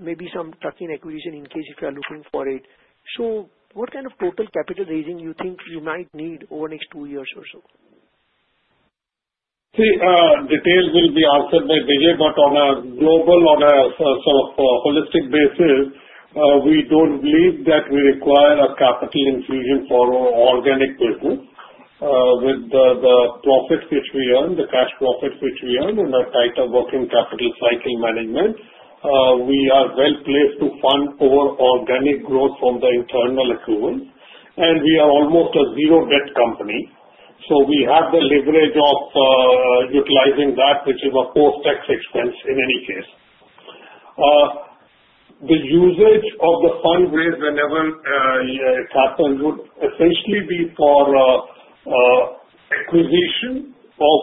maybe some tuck-in acquisition in case if you are looking for it. So what kind of total capital raising do you think you might need over the next two years or so? See, details will be answered by BJ, but on a global, on a sort of holistic basis, we don't believe that we require a capital infusion for our organic business. With the profits which we earn, the cash profits which we earn, and the tight working capital cycle management, we are well placed to fund our organic growth from the internal accruals, and we are almost a zero-debt company. So we have the leverage of utilizing that, which is a post-tax expense in any case. The usage of the fund raised whenever it happens would essentially be for acquisition of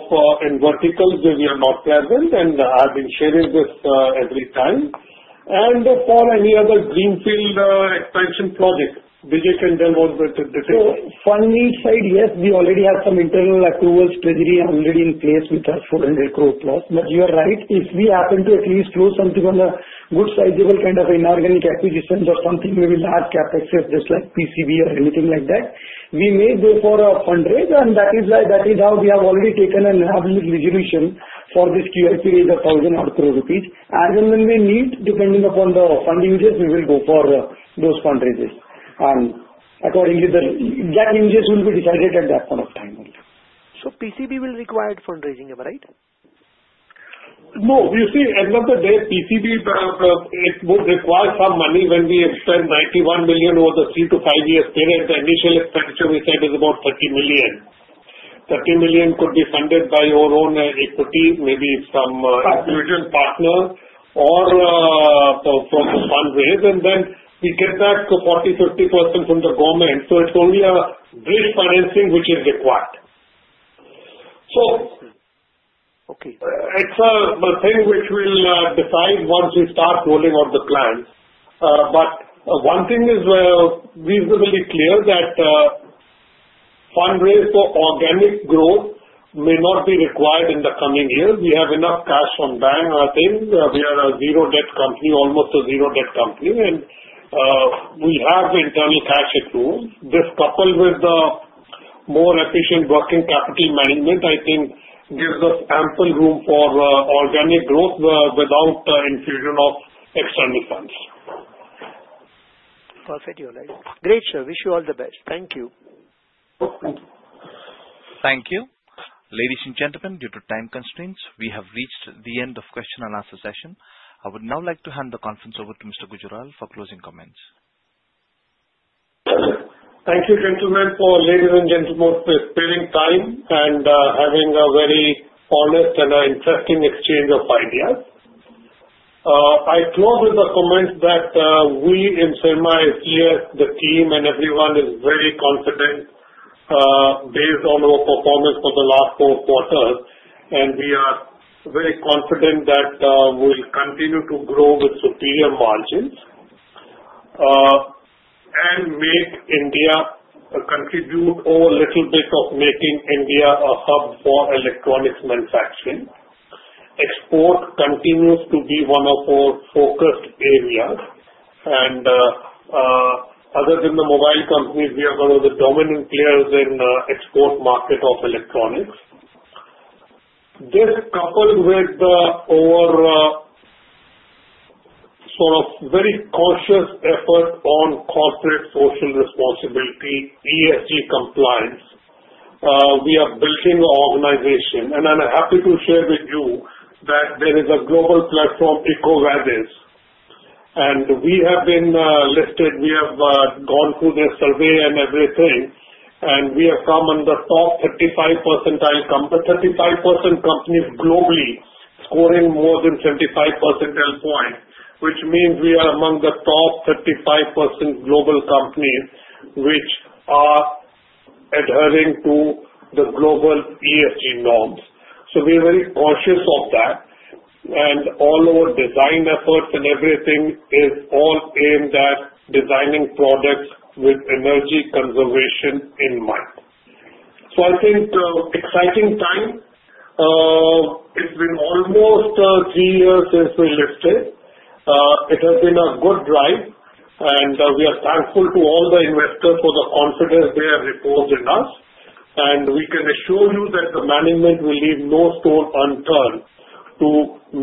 verticals where we are not present, and I've been sharing this every time. And for any other greenfield expansion projects, BJ can tell what the details are. So funding side, yes, we already have some internal approvals, treasury already in place with us for a new growth plot. But you are right. If we happen to at least do something on a good sizable kind of inorganic acquisitions or something, maybe large CAPEX just like PCB or anything like that, we may go for a fundraiser, and that is how we have already taken an enabling resolution for this QIP with a thousand-odd crore rupees. As and when we need, depending upon the funding uses, we will go for those fundraisers. And accordingly, the exact instruments will be decided at that point of time. So PCB will require fundraising, am I right? No. You see, at the end of the day, PCB, it would require some money when we spend $91 million over the three- to five-year period. The initial expenditure we said is about $30 million. $30 million could be funded by your own equity, maybe some mutual partner, or from the fundraiser, and then we get back 40%-50% from the government. So it's only a bridge financing which is required. So it's a thing which we'll decide once we start rolling out the plan. But one thing is reasonably clear that fundraising for organic growth may not be required in the coming years. We have enough cash on bank, I think. We are a zero-debt company, almost a zero-debt company, and we have internal cash approvals. This coupled with the more efficient working capital management, I think, gives us ample room for organic growth without infusion of external funds. Perfect. You are right. Great, sir. Wish you all the best. Thank you. Thank you. Thank you. Ladies and gentlemen, due to time constraints, we have reached the end of the question and answer session. I would now like to hand the conference over to Mr. Gujral for closing comments. Thank you, gentlemen, for ladies and gentlemen spending time and having a very honest and interesting exchange of ideas. I close with a comment that we in Syrma SGS, the team and everyone is very confident based on our performance for the last four quarters, and we are very confident that we'll continue to grow with superior margins and make India contribute a little bit of making India a hub for electronics manufacturing. Export continues to be one of our focused areas, and other than the mobile companies, we are one of the dominant players in the export market of electronics. This coupled with our sort of very cautious effort on corporate social responsibility, ESG compliance, we are building our organization, and I'm happy to share with you that there is a global platform, EcoVadis, and we have been listed. We have gone through their survey and everything, and we have come under top 35% companies, 35% companies globally scoring more than 75% percentile points, which means we are among the top 35% global companies which are adhering to the global ESG norms. So we are very cautious of that, and all our design efforts and everything is all aimed at designing products with energy conservation in mind. So I think exciting time. It has been almost three years since we listed. It has been a good drive, and we are thankful to all the investors for the confidence they have reposed in us, and we can assure you that the management will leave no stone unturned to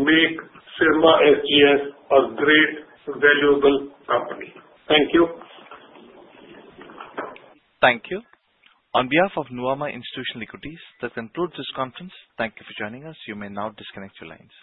make Syrma SGS a great, valuable company. Thank you. Thank you. On behalf of Nuvama Institutional Equities, that concludes this conference. Thank you for joining us. You may now disconnect your lines.